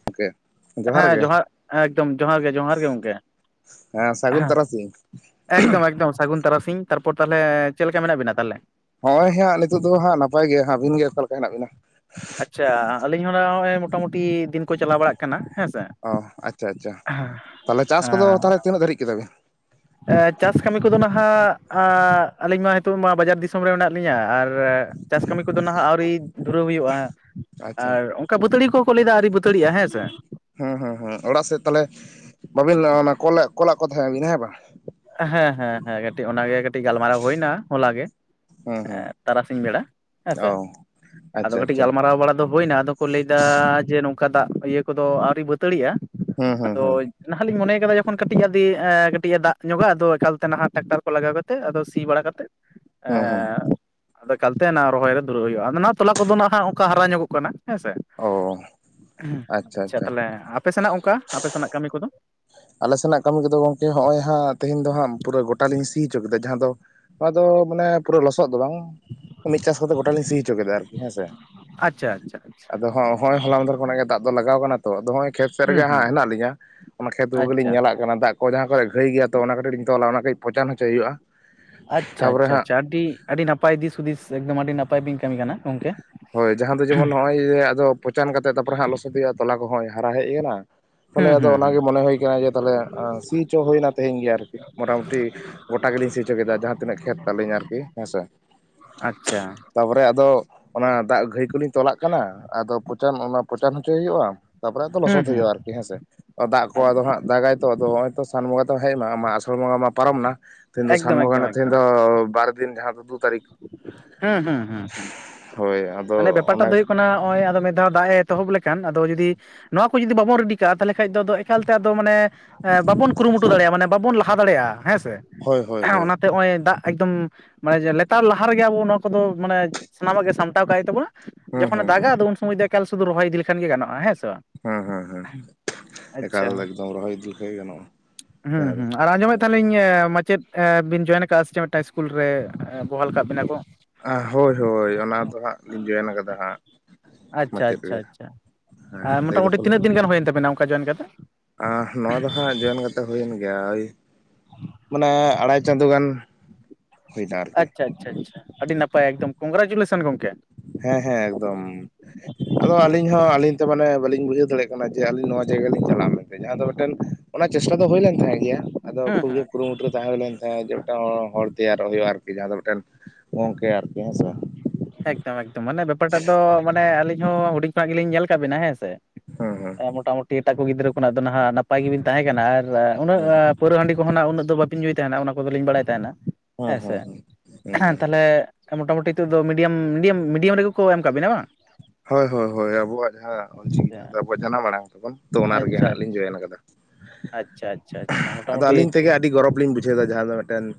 [unintelligible] ᱦᱮᱸ ᱡᱚᱦᱟᱨ ᱮᱠᱫᱚᱢ ᱡᱚᱦᱟᱨ ᱜᱮ ᱡᱚᱦᱟᱨ ᱜᱮ ᱜᱚᱝᱠᱮ ᱦᱮᱸ ᱥᱟᱹᱜᱩᱱ ᱛᱟᱨᱟᱥᱤᱧ ᱾ ᱮᱠᱫᱚᱢ ᱮᱠᱫᱚᱢ ᱥᱟᱹᱜᱩᱱ ᱛᱟᱨᱟᱥᱤᱧ ᱛᱟᱨᱯᱚᱨ ᱛᱟᱦᱚᱞᱮ ᱪᱮᱫ ᱞᱮᱠᱟ ᱢᱮᱱᱟᱜ ᱵᱤᱱᱟ ᱛᱟᱦᱚᱞᱮ? ᱦᱚᱜ-ᱚᱭ ᱦᱟᱸᱜ ᱱᱤᱛᱳᱜ ᱫᱚ ᱦᱟᱸᱜ ᱱᱟᱯᱟᱭ ᱜᱮ ᱾ ᱦᱟᱸᱜ ᱟᱹᱵᱤᱱ ᱜᱮ ᱚᱠᱟ ᱞᱮᱠᱟ ᱦᱮᱱᱟᱜ ᱵᱤᱱᱟ? ᱟᱪᱪᱷᱟ ᱟᱹᱞᱤᱧ ᱦᱚᱸ ᱱᱟᱜ ᱱᱚᱜᱼᱚᱭ ᱢᱚᱴᱟᱢᱩᱴᱤ ᱫᱤᱱ ᱠᱚ ᱪᱟᱞᱟᱣ ᱵᱟᱲᱟᱜ ᱠᱟᱱᱟ ᱦᱮᱸᱥᱮ ᱾ ᱚ ᱟᱪᱪᱷᱟ ᱟᱪᱪᱷᱟ, ᱛᱟᱦᱚᱞᱮ ᱪᱟᱥ ᱠᱚᱫᱚ ᱛᱟᱦᱚᱞᱮ ᱛᱤᱱᱟᱹᱜ ᱫᱷᱟᱹᱨᱤᱡ ᱠᱮᱫᱟ ᱵᱤᱱ? ᱮᱸ ᱪᱟᱥ ᱠᱟᱹᱢᱤ ᱠᱚᱫᱚ ᱱᱟᱦᱟᱜ ᱮᱸ ᱟᱹᱞᱤᱧ ᱢᱟ ᱱᱤᱛᱚᱜ ᱢᱟ ᱵᱟᱡᱟᱨ ᱫᱤᱥᱚᱢ ᱨᱮ ᱢᱮᱱᱟᱜ ᱞᱤᱧᱟᱹ ᱟᱨ ᱪᱟᱥ ᱠᱟᱹᱢᱤ ᱠᱚᱫᱚ ᱱᱟᱦᱟᱜ ᱟᱹᱣᱨᱤ ᱫᱷᱩᱨᱟᱹᱣ ᱦᱩᱭᱩᱜᱼᱟ ᱟᱪᱪᱷᱟ ᱟᱨ ᱚᱱᱠᱟ ᱵᱟᱹᱛᱟᱹᱲᱤ ᱠᱚᱦᱚᱸ ᱠᱚ ᱞᱟᱹᱭ ᱮᱫᱟ ᱟᱣᱨᱤ ᱵᱟᱹᱛᱟᱹᱲᱤᱜᱼᱟ ᱦᱮᱸ ᱥᱮ ᱾ ᱦᱩᱸ ᱦᱩᱸ ᱦᱩᱸ ᱚᱲᱟᱜ ᱥᱮᱫ ᱛᱟᱦᱚᱞᱮ ᱵᱟᱹᱵᱤᱱ ᱚᱱᱟ ᱠᱚᱞᱟ ᱠᱚᱞᱟᱫ ᱠᱚ ᱛᱟᱦᱮᱸᱜ ᱵᱤᱱ ᱦᱮᱸ ᱵᱟᱝ? ᱦᱮᱸ ᱦᱮᱸ ᱦᱮᱸ ᱠᱟᱹᱴᱤᱡ ᱚᱱᱟ ᱜᱮ ᱠᱟᱹᱴᱤᱡ ᱜᱟᱞᱢᱟᱨᱟᱣ ᱦᱩᱭ ᱱᱟ ᱦᱚᱞᱟ ᱜᱮ ᱾ ᱦᱩᱸ ᱦᱩᱸ ᱮᱸ ᱛᱟᱨᱟᱥᱤᱧ ᱵᱮᱲᱟ ᱚ ᱦᱮᱸᱥᱮ ᱟᱫᱚ ᱟᱪᱪᱷᱟ ᱠᱟᱹᱴᱤᱡ ᱟᱪᱪᱷᱟ ᱜᱟᱞᱢᱟᱨᱟᱣ ᱵᱟᱲᱟ ᱟᱫᱚ ᱦᱩᱭᱱᱟ ᱟᱫᱚ ᱠᱚ ᱞᱟᱹᱭ ᱮᱫᱟ ᱡᱮ ᱱᱚᱝᱠᱟ ᱫᱟᱜ ᱤᱭᱟᱹ ᱠᱚᱫᱚ ᱟᱹᱣᱨᱤ ᱵᱟᱹᱛᱟᱹᱲᱤᱜᱼᱟ ᱦᱩᱸ ᱾ ᱦᱩᱸ ᱟᱫᱚ ᱦᱩᱸ ᱱᱟᱦᱟᱜ ᱞᱤᱧ ᱢᱚᱱᱮ ᱠᱟᱫᱟ ᱡᱚᱠᱷᱚᱱ ᱠᱟᱹᱴᱤᱡ ᱟᱫᱤ ᱮᱸ ᱠᱟᱹᱴᱤᱡ ᱮ ᱫᱟᱜ ᱧᱚᱜᱟ ᱟᱫᱚ ᱮᱠᱟᱞᱛᱮ ᱱᱟᱦᱟᱜ ᱴᱨᱟᱠᱴᱟᱨ ᱠᱚ ᱞᱟᱜᱟᱣ ᱠᱟᱛᱮᱫ ᱟᱫᱚ ᱥᱤ ᱵᱟᱲᱟ ᱠᱟᱛᱮᱫ ᱦᱩᱸ ᱦᱩᱸ ᱮᱸ ᱟᱫᱚ ᱮᱠᱟᱞ ᱛᱮ ᱚᱱᱟ ᱨᱚᱦᱚᱭ ᱨᱮ ᱫᱩᱨᱟᱹᱣ ᱦᱩᱭᱩᱜᱼᱟ, ᱟᱫᱚ ᱱᱟᱜ ᱛᱚᱞᱟ ᱠᱚᱫᱚ ᱱᱟᱦᱟᱜ ᱚᱱᱠᱟ ᱦᱟᱨᱟ ᱧᱚᱜᱚᱜ ᱠᱟᱱᱟ ᱦᱮᱸ ᱥᱮ ᱚ ᱾ ᱟᱪᱪᱷᱟ ᱛᱟᱦᱞᱮ ᱟᱯᱮ ᱥᱮᱱᱟᱜ ᱚᱱᱠᱟ ᱟᱯᱮ ᱥᱮᱱᱟᱜ ᱠᱟᱹᱢᱤ ᱠᱚᱫᱚ? ᱟᱞᱮ ᱥᱮᱱᱟᱜ ᱠᱟᱹᱢᱤ ᱠᱚᱫᱚ ᱜᱚᱝᱠᱮ ᱦᱚᱜᱼᱚᱭ ᱦᱟᱸᱜ ᱛᱮᱦᱮᱧ ᱫᱚ ᱦᱟᱸᱜ ᱯᱩᱨᱟᱹ ᱜᱚᱴᱟᱞᱤᱧ ᱥᱤ ᱦᱚᱪᱚ ᱠᱮᱫᱟ ᱡᱟᱦᱟᱸ ᱫᱚ ᱱᱚᱣᱟ ᱫᱚ ᱢᱟᱱᱮ ᱯᱩᱨᱟᱹ ᱞᱚᱥᱚᱫ ᱫᱚ ᱵᱟᱝ ᱢᱤᱫ ᱪᱟᱥ ᱠᱟᱛᱮᱫ ᱜᱚᱴᱟ ᱞᱤᱧ ᱥᱤ ᱦᱚᱪᱚ ᱠᱮᱫᱟ ᱟᱨᱠᱤ ᱦᱮᱸᱥᱮ᱾ ᱟᱪᱪᱷᱟ ᱟᱪᱪᱷᱟ ᱟᱪᱪᱷᱟ᱾ ᱟᱫᱚ ᱦᱚᱸ ᱦᱚᱸᱜᱼᱚᱭ ᱦᱚᱞᱟᱝᱫᱚᱨ ᱠᱷᱚᱱᱟᱜ ᱜᱮ ᱫᱟᱜ ᱫᱚ ᱞᱟᱜᱟᱣ ᱠᱟᱱᱟ ᱛᱚ ᱟᱫᱚᱜᱚᱭ ᱠᱷᱮᱛ ᱥᱮᱫ ᱦᱩᱸ ᱨᱮᱜᱮ ᱦᱩᱸ ᱦᱟᱸᱜ ᱦᱮᱱᱟᱜᱞᱤᱧᱟ᱾ ᱠᱷᱮᱛ ᱠᱚᱜᱮ ᱞᱤᱧ ᱟᱪᱪᱷᱟ ᱧᱮᱞᱟ ᱠᱟᱱᱟ ᱫᱟᱜ ᱠᱚ ᱡᱟᱦᱟᱸ ᱠᱚᱨᱮ ᱜᱷᱟᱹᱭ ᱜᱮᱭᱟ ᱛᱚ ᱚᱱᱟ ᱠᱟᱹᱴᱤᱡ ᱞᱤᱧ ᱛᱚᱞᱟ ᱚᱱᱟ ᱠᱟᱹᱴᱤᱡ ᱯᱚᱪᱟᱱ ᱦᱚᱪᱚᱭ ᱦᱩᱭᱩᱜᱼᱟ᱾ ᱟᱪᱪᱷᱟ ᱛᱟᱯᱚᱨᱮ ᱦᱟᱸᱜ ᱟᱪᱪᱷᱟ ᱟᱹᱰᱤ ᱟᱹᱰᱤ ᱱᱟᱯᱟᱭ ᱫᱤᱥᱦᱩᱫᱤᱥ ᱮᱠᱫᱚᱢ ᱟᱹᱰᱤ ᱱᱟᱯᱟᱭ ᱵᱤᱱ ᱠᱟᱹᱢᱤ ᱠᱟᱱᱟ ᱜᱚᱝᱠᱮ᱾ ᱦᱳᱭ ᱡᱟᱦᱟᱸ ᱫᱚ ᱡᱮᱢᱚᱱ ᱱᱚᱜᱼᱚᱭ ᱟᱫᱚ ᱯᱚᱪᱟᱱ ᱠᱟᱛᱮᱜ ᱛᱟᱨᱯᱮ ᱦᱟᱸᱜ ᱞᱚᱥᱚᱫᱼᱟ ᱛᱚᱞᱟ ᱠᱚᱦᱚᱸᱭ ᱦᱟᱨᱟ ᱦᱮᱡ ᱮᱱᱟ᱾ ᱛᱟᱦᱞᱮ ᱦᱩᱸ ᱟᱫᱚ ᱦᱩᱸ ᱦᱩᱸ ᱚᱱᱟᱜᱮ ᱢᱚᱱᱮ ᱦᱩᱭ ᱠᱟᱱᱟ ᱡᱮ ᱛᱟᱦᱞᱮ ᱥᱤ ᱪᱚ ᱦᱩᱭᱱᱟ ᱛᱮᱦᱤᱧ ᱜᱮ ᱟᱨᱠᱤ ᱢᱚᱴᱟᱢᱩᱴᱤ᱾ ᱜᱚᱴᱟ ᱜᱮᱞᱤᱧ ᱥᱤᱪᱚ ᱠᱮᱫᱟ ᱡᱟᱦᱟᱸ ᱛᱤᱱᱟᱹᱜ ᱠᱷᱮᱛ ᱛᱟᱹᱞᱤᱧ ᱟᱨᱠᱤ ᱦᱮᱸ ᱥᱮ᱾ ᱟᱪᱪᱷᱟ᱾ ᱛᱟᱯᱚᱨᱮ ᱟᱫᱚ ᱚᱱᱟ ᱫᱟᱜ ᱜᱷᱟᱹᱭ ᱠᱚᱞᱤᱧ ᱛᱚᱞᱟᱜ ᱠᱟᱱᱟ ᱟᱫᱚ ᱯᱚᱪᱟᱱ ᱚᱱᱟ ᱯᱚᱪᱟᱱ ᱦᱚᱪᱚᱭ ᱦᱩᱭᱩᱜᱼᱟ᱾ ᱛᱟᱯᱚᱨᱮᱚ ᱦᱩᱸ ᱞᱚᱥᱚᱫ ᱦᱩᱸ ᱦᱩᱭᱩᱜᱼᱟ ᱟᱨᱠᱤ ᱦᱮᱸᱥᱮ ᱫᱟᱜ ᱠᱚ ᱟᱫᱚ ᱟᱪᱪᱷᱟ ᱦᱟᱸᱜ ᱫᱟᱜᱟᱭ᱾ ᱛᱚ ᱟᱫᱚ ᱱᱚᱜᱼᱚᱭ ᱛᱚ ᱥᱟᱱ ᱵᱚᱸᱜᱟ ᱫᱚ ᱦᱮᱡ ᱮᱱᱟ ᱟᱥᱟᱲ ᱵᱚᱸᱜᱟ ᱢᱟ ᱯᱟᱨᱚᱢ ᱮᱱᱟ ᱛᱮᱦᱮᱧ ᱫᱚ ᱥᱟᱱ ᱮᱠᱫᱚᱢ ᱵᱚᱸᱜᱟ ᱮᱠᱫᱚᱢ ᱨᱮᱱᱟᱜ ᱛᱮᱦᱮᱧ ᱫᱚ ᱵᱟᱨ ᱫᱤᱱ ᱡᱟᱦᱟᱸ ᱫᱚ ᱫᱩ ᱛᱟᱨᱤᱠ [unintelligible] ᱦᱮᱸ ᱦᱩ ᱦᱩᱸ ᱦᱳᱭ ᱟᱫᱚ ᱢᱟᱱᱮ ᱵᱮᱯᱟᱨᱴᱟ ᱚᱱᱟ ᱫᱚ ᱦᱩᱭᱩᱜ ᱠᱟᱱᱟ ᱱᱚᱜᱼᱚᱭ ᱟᱫᱚ ᱢᱤᱫ ᱫᱷᱟᱣ ᱫᱟᱜ ᱮ ᱮᱛᱚᱦᱚᱵ ᱞᱮᱠᱷᱟᱱ ᱟᱫᱚ ᱡᱩᱫᱤ ᱱᱚᱣᱟ ᱠᱚ ᱡᱩᱫᱤ ᱵᱟᱵᱚ ᱨᱮᱰᱤ ᱠᱟᱜᱼᱟ, ᱛᱟᱦᱚᱞᱮ ᱠᱷᱟᱱ ᱫᱚ ᱫᱚ ᱮᱠᱟᱞᱛᱮ ᱟᱫᱚ ᱢᱟᱱᱮ ᱵᱟᱵᱚᱱ ᱠᱩᱨᱩᱢᱩᱴᱩ ᱫᱟᱲᱮᱭᱟᱜᱼᱟ ᱢᱟᱱᱮ ᱵᱟᱵᱚᱱ ᱞᱟᱦᱟ ᱫᱟᱲᱮᱭᱟᱜᱼᱟ ᱦᱮᱸ ᱥᱮ᱾ ᱦᱳᱭ ᱦᱳᱭ ᱦᱳᱭ᱾ ᱡᱟᱛᱮ ᱱᱚᱜᱼᱚᱭ ᱫᱟᱜ ᱮᱠᱫᱚᱢ ᱢᱟᱱᱮ ᱡᱮ ᱞᱮᱛᱟᱲ ᱞᱟᱦᱟ ᱨᱮᱜᱮ ᱟᱵᱚ ᱱᱚᱣᱟ ᱠᱚᱫᱚ ᱢᱟᱱᱮ ᱥᱟᱱᱟᱢᱟᱜ ᱜᱮ ᱥᱟᱢᱴᱟᱣ ᱠᱟᱜ ᱛᱟᱵᱚᱱᱟ ᱦᱩᱸ ᱡᱚᱠᱷᱚᱱᱮ ᱦᱩᱸ ᱦᱩᱸ ᱫᱟᱜᱼᱟ ᱩᱱ ᱥᱚᱢᱚᱭ ᱫᱚ ᱮᱠᱟᱞ ᱥᱩᱫᱩ ᱨᱚᱦᱚᱭ ᱤᱫᱤ ᱞᱮᱠᱷᱟᱱ ᱜᱟᱱᱚᱜᱼᱟ ᱦᱮᱸᱥᱮ ᱵᱟᱝ᱾ ᱦᱮᱸ ᱦᱮᱸ ᱦᱮᱸ ᱮᱠᱟᱞ ᱟᱪᱪᱷᱟ ᱫᱚ ᱮᱠᱫᱚᱢ ᱨᱚᱦᱚᱭ ᱤᱫᱤ ᱜᱮ ᱜᱟᱱᱚᱜ ᱟ ᱾ ᱛᱟᱦᱚᱞᱤᱧ ᱢᱟᱪᱮᱫ ᱵᱤᱱ ᱡᱚᱭᱮᱱ ᱟᱠᱟᱜᱼᱟ ᱥᱮᱫ ᱢᱤᱫᱴᱟᱝ ᱤᱥᱠᱩᱞ [unintelligible] ᱨᱮ ᱵᱚᱦᱟᱞ ᱟᱠᱟᱫ ᱵᱤᱱᱟ ᱠᱚ? ᱦᱳᱭ ᱦᱳᱭ ᱚᱱᱟ ᱫᱚ ᱦᱟᱸᱜ ᱞᱤᱧ ᱡᱚᱭᱮᱱ ᱠᱟᱫᱟ ᱦᱟᱸᱜ᱾ ᱟᱪᱪᱷᱟ ᱢᱟᱪᱮᱫ ᱟᱪᱪᱷᱟ ᱨᱮ ᱟᱪᱪᱷᱟ ᱦᱮᱸ ᱞᱟᱹᱭ ᱢᱚᱴᱟᱢᱩᱴᱤ ᱛᱤᱱᱟᱹᱜ ᱫᱤᱱ ᱜᱟᱱ ᱦᱩᱭᱮᱱ ᱛᱟᱵᱮᱱᱟ? ᱚᱠᱟ ᱡᱚᱭᱮᱱ ᱠᱟᱛᱮ? ᱟᱸ ᱱᱚᱣᱟ ᱫᱚ ᱦᱟᱸᱜ ᱡᱚᱭᱚᱱ ᱠᱟᱛᱮᱫ ᱦᱩᱭᱮᱱ ᱜᱮᱭᱟ ᱳᱭ ᱢᱟᱱᱮ ᱟᱲᱟᱭ ᱪᱟᱸᱫᱳ ᱜᱟᱱ᱾ ᱦᱩᱭᱱᱟ ᱟᱨᱠᱤ ᱟᱪᱪᱷᱟ ᱟᱪᱪᱷᱟ ᱟᱪᱷᱟ ᱟᱹᱰᱤ ᱱᱟᱯᱟᱭ ᱮᱠᱫᱚᱢ ᱠᱚᱝᱜᱽᱨᱟᱪᱩᱞᱮᱥᱚᱱ [unintelligible] ᱜᱚᱝᱠᱮ ᱦᱮᱸ ᱦᱮᱸ ᱮᱠᱫᱚᱢ᱾ ᱟᱫᱚ ᱟᱹᱞᱤᱧ ᱦᱚᱸ ᱟᱹᱞᱤᱧ ᱛᱮ ᱢᱟᱱᱮ ᱵᱟᱹᱞᱤᱧ ᱵᱩᱡᱷᱟᱹᱣ ᱫᱟᱲᱮᱭᱟᱜ ᱠᱟᱱᱟ ᱡᱮ ᱟᱹᱞᱤᱧ ᱱᱚᱣᱟ ᱡᱟᱭᱜᱟ ᱞᱤᱧ ᱪᱟᱞᱟᱜᱼᱟ ᱢᱮᱱᱛᱮ ᱡᱟᱦᱟᱸ ᱫᱚ ᱢᱤᱫᱴᱮᱱ ᱚᱱᱟ ᱪᱮᱥᱴᱟ ᱫᱚ ᱦᱩᱭ ᱞᱮᱱ ᱛᱟᱦᱮᱸ ᱜᱮᱭᱟ ᱟᱫᱚ ᱦᱮᱸ ᱠᱷᱩᱵ ᱠᱩᱨᱩᱢᱩᱴ ᱨᱮ ᱛᱟᱦᱮᱸ ᱦᱳᱭ ᱞᱮᱱ ᱛᱟᱦᱮᱸ ᱡᱮ ᱢᱤᱫᱴᱟᱝ ᱦᱚᱲ ᱛᱮᱭᱟᱨᱚᱜ ᱦᱩᱭᱩᱜᱼᱟ ᱟᱨᱠᱤ ᱡᱟᱦᱟᱸ ᱫᱚ ᱢᱤᱫᱴᱮᱱ ᱜᱚᱝᱠᱮ ᱟᱨᱠᱤ ᱦᱮᱸ ᱥᱮ ᱵᱟᱝ᱾ ᱮᱠᱫᱚᱢ ᱮᱠᱫᱚᱢ ᱢᱟᱱᱮ ᱵᱮᱯᱟᱨ ᱴᱟᱜ ᱫᱚ ᱢᱟᱱᱮ ᱟᱹᱞᱤᱧ ᱦᱚᱸ ᱦᱩᱰᱤᱧ ᱠᱷᱚᱱᱟᱜ ᱜᱮᱞᱤᱧ ᱧᱮᱞ ᱟᱠᱟᱫ ᱵᱤᱱᱟ ᱦᱮᱸ ᱥᱮ᱾ ᱦᱮᱸ ᱦᱮᱸ ᱢᱚᱴᱟᱢᱩᱴᱤ ᱮᱴᱟᱜ ᱠᱚ ᱜᱤᱫᱽᱨᱟᱹ ᱠᱷᱚᱱᱟᱜ ᱫᱚ ᱱᱟᱦᱜ ᱱᱟᱯᱟᱭ ᱜᱮᱵᱤᱱ ᱛᱟᱦᱮᱸᱠᱟᱱᱟ ᱟᱨ ᱩᱱᱟᱹᱜ ᱯᱟᱹᱣᱟᱹ ᱦᱟᱺᱰᱤ ᱠᱚᱦᱚᱱᱟᱜ ᱩᱱᱟᱹᱜ ᱫᱚ ᱵᱟᱵᱤᱱ ᱧᱩᱭ ᱛᱟᱦᱮᱱᱟ ᱚᱱᱟ ᱠᱚᱫᱚᱞᱤᱧ ᱵᱟᱲᱟᱭ ᱛᱟᱦᱮᱱᱟ ᱦᱮᱸ ᱦᱮᱸᱥᱮ ᱦᱮᱸ ᱦᱮᱸ ᱦᱮᱸ ᱦᱮᱸ ᱛᱟᱦᱚᱞᱮ ᱢᱚᱴᱟᱢᱩᱴᱤ ᱱᱤᱛᱚᱜ ᱫᱚ ᱢᱤᱰᱤᱭᱟᱢ ᱢᱤᱰᱤᱭᱟᱢ ᱢᱤᱰᱤᱭᱟᱢ ᱨᱮᱜᱮ ᱠᱚ ᱮᱢ ᱠᱟᱜ ᱵᱤᱱᱟ ᱵᱟᱝ? ᱦᱳᱭ ᱦᱳᱭ ᱦᱳᱭ ᱟᱵᱚᱣᱟᱜ ᱡᱟᱦᱟᱸ ᱚᱞᱪᱤᱠᱤ ᱡᱟᱦᱟᱸ ᱟᱵᱚ ᱡᱟᱱᱟᱢ ᱢᱲᱟᱝ ᱛᱟᱵᱚᱱ ᱛᱚ ᱚᱱᱟ ᱨᱮᱜᱮ ᱟᱪᱪᱷᱟ ᱟᱪᱪᱷᱟ ᱦᱟᱸᱜ ᱞᱤᱧ ᱡᱚᱭᱮᱱ ᱟᱠᱟᱫᱟ᱾ ᱟᱪᱪᱷᱟ ᱟᱪᱪᱷᱟ ᱟᱪᱪᱷᱟ ᱟᱫᱚ ᱢᱚᱴᱟᱢᱩᱴᱤ ᱟᱹᱞᱤᱧ ᱛᱮᱜᱮ ᱟᱹᱰᱤ ᱜᱚᱨᱚᱵ ᱞᱤᱧ ᱵᱩᱡᱷᱟᱹᱣ ᱫᱟ ᱡᱟᱦᱟᱸ ᱫᱚ ᱢᱤᱫᱴᱮᱱ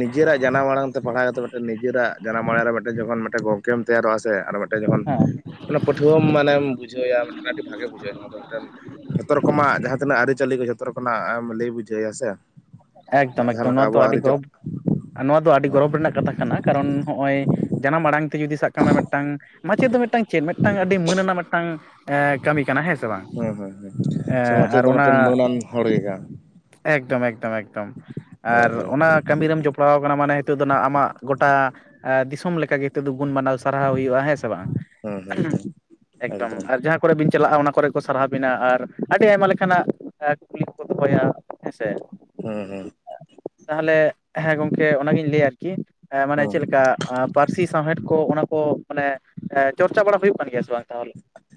ᱱᱤᱡᱮᱨᱟᱜ ᱡᱟᱱᱟᱢ ᱟᱲᱟᱝ ᱛᱮ ᱯᱟᱲᱦᱟᱣ ᱠᱟᱛᱮ ᱢᱤᱫᱮᱱ ᱱᱤᱡᱮᱨᱟᱜ ᱡᱟᱱᱟᱢ ᱟᱲᱟᱝ ᱨᱮ ᱢᱤᱫᱴᱮᱱ ᱡᱚᱠᱷᱚᱱ ᱢᱤᱫᱮᱱ ᱜᱚᱝᱠᱮᱢ ᱛᱮᱭᱟᱨᱚᱜ-ᱟ ᱥᱮ ᱟᱨ ᱢᱤᱫᱮᱴᱮᱱ ᱡᱚᱠᱷᱚᱱ ᱦᱮᱸ, ᱚᱱᱟ ᱯᱟᱹᱴᱷᱩᱹᱭᱟ ᱢᱟᱱᱮᱢ ᱵᱩᱡᱷᱟᱹᱣᱟᱭᱟ ᱢᱮᱫᱴᱮᱱ ᱟᱹᱰᱤ ᱵᱷᱟᱜᱮ ᱵᱩᱡᱷᱟᱹᱼᱟ ᱡᱟᱦᱟᱸ ᱫᱚ ᱢᱤᱫᱴᱮᱱ ᱡᱷᱚᱛᱚ ᱨᱚᱠᱚᱢᱟᱜ ᱡᱟᱦᱟᱸ ᱛᱤᱱᱟᱹᱜ ᱟᱹᱨᱤ ᱪᱟᱹᱞᱤ ᱠᱚ ᱡᱷᱚᱛᱚ ᱨᱚᱠᱚᱱᱟᱜ ᱮᱢ ᱞᱟᱹᱭ ᱵᱩᱡᱷᱟᱹᱣ ᱣᱟᱭᱟ ᱥᱮ᱾ ᱮᱠᱫᱚᱢ ᱡᱟᱦᱟᱸ ᱮᱠᱫᱚᱢ ᱞᱮᱠᱟ ᱱᱚᱣᱟ ᱫᱚ ᱟᱵᱚᱣᱟᱜ ᱟᱹᱰᱤ ᱟᱹᱨᱤᱪᱟᱹ ᱜᱚᱨᱚᱵᱽ, ᱱᱚᱣᱟ ᱫᱚ ᱟᱹᱰᱤ ᱜᱚᱨᱚᱵᱽ ᱨᱮᱱᱟᱜ ᱠᱟᱛᱷᱟ ᱠᱟᱱᱟ ᱠᱟᱨᱚᱱ ᱦᱚᱸᱜᱼᱚᱭ ᱡᱟᱱᱟᱢ ᱟᱲᱟᱝ ᱛᱮ ᱡᱩᱫᱤ ᱥᱟᱜ ᱠᱟᱜ ᱢᱮ ᱢᱮᱫᱴᱟᱝ ᱢᱟᱪᱮᱫ ᱫᱚ ᱢᱮᱫᱴᱟᱝ ᱪᱮᱫ ᱢᱮᱫᱴᱟᱝ ᱟᱹᱰᱤ ᱢᱟᱹᱱ ᱟᱱᱟᱜ ᱢᱮᱫᱴᱟᱝ ᱮᱸ ᱠᱟᱹᱢᱤ ᱠᱟᱱᱟ ᱦᱮᱸ- ᱥᱮ ᱵᱟᱝ, ᱦᱮᱸ ᱦᱮᱸ ᱥᱮ ᱮᱸ ᱢᱟᱪᱮᱫ ᱟᱨ ᱫᱚ ᱚᱱᱟ ᱢᱤᱫᱴᱮᱱ ᱢᱟᱹᱱᱟᱱ ᱦᱚᱲ ᱜᱮ ᱠᱟᱱ ᱮᱠᱫᱚᱢ ᱮᱠᱫᱚᱢ ᱮᱠ- ᱦᱳᱭ ᱟᱨ ᱦᱳᱭ ᱚᱱᱟ ᱠᱟᱹᱢᱤ ᱨᱮᱢ ᱡᱚᱯᱲᱟᱣ ᱠᱟᱱᱟ ᱢᱟᱱᱮ ᱦᱤᱛᱳᱜ ᱫᱚ ᱱᱷᱟᱸᱜ ᱟᱢᱟᱜ ᱜᱚᱴᱟ ᱟᱨ ᱫᱤᱥᱚᱢ ᱞᱮᱠᱟᱜᱮ ᱦᱤᱛᱚᱜ ᱫᱚ ᱜᱩᱱ ᱢᱟᱱᱟᱣ ᱥᱟᱨᱦᱟᱣ ᱦᱩᱭᱩᱜᱼᱟ, ᱦᱮᱸ ᱥᱮ ᱵᱟᱝ? ᱦᱮᱸ ᱦᱮᱸ ᱦᱮᱸ [unintelligible] ᱮᱠᱫᱚᱢ ᱟᱨ ᱡᱟᱦᱟᱸ ᱠᱚᱨᱮ ᱵᱤᱱ ᱪᱟᱞᱟᱜᱼᱟ, ᱚᱱᱟ ᱠᱚᱨᱮ ᱠᱚ ᱥᱟᱨᱦᱟᱣ ᱵᱤᱱᱟ ᱟᱨ ᱟᱹᱰᱤ ᱟᱭᱢᱟ ᱞᱮᱠᱟᱱᱟᱜ ᱮᱸ ᱠᱩᱠᱞᱤ ᱠᱚᱠᱚ ᱫᱚᱦᱚᱭᱟ, ᱦᱮᱸ ᱥᱮ᱾ ᱦᱩᱸ ᱦᱩᱸ᱾ ᱛᱟᱦᱮᱞᱮᱜ ᱦᱮᱸ ᱜᱚᱝᱠᱮ ᱚᱱᱟᱜᱤᱧ ᱞᱟᱹᱭᱼᱟ ᱟᱨᱠᱤ ᱮᱸ ᱢᱟᱱᱮ ᱦᱮᱸ ᱪᱮᱫ ᱞᱮᱠᱟ ᱯᱟᱹᱨᱥᱤ ᱥᱟᱶᱦᱮᱫ ᱠᱚ ᱚᱱᱟ ᱠᱚ ᱢᱟᱱᱮ ᱮᱸ ᱪᱚᱨᱪᱟ ᱵᱟᱲᱟ ᱦᱩᱭᱩᱜ ᱠᱟᱱ ᱜᱮᱭᱟ ᱥᱮ ᱵᱟᱝ ᱛᱟᱦᱚᱞᱮ?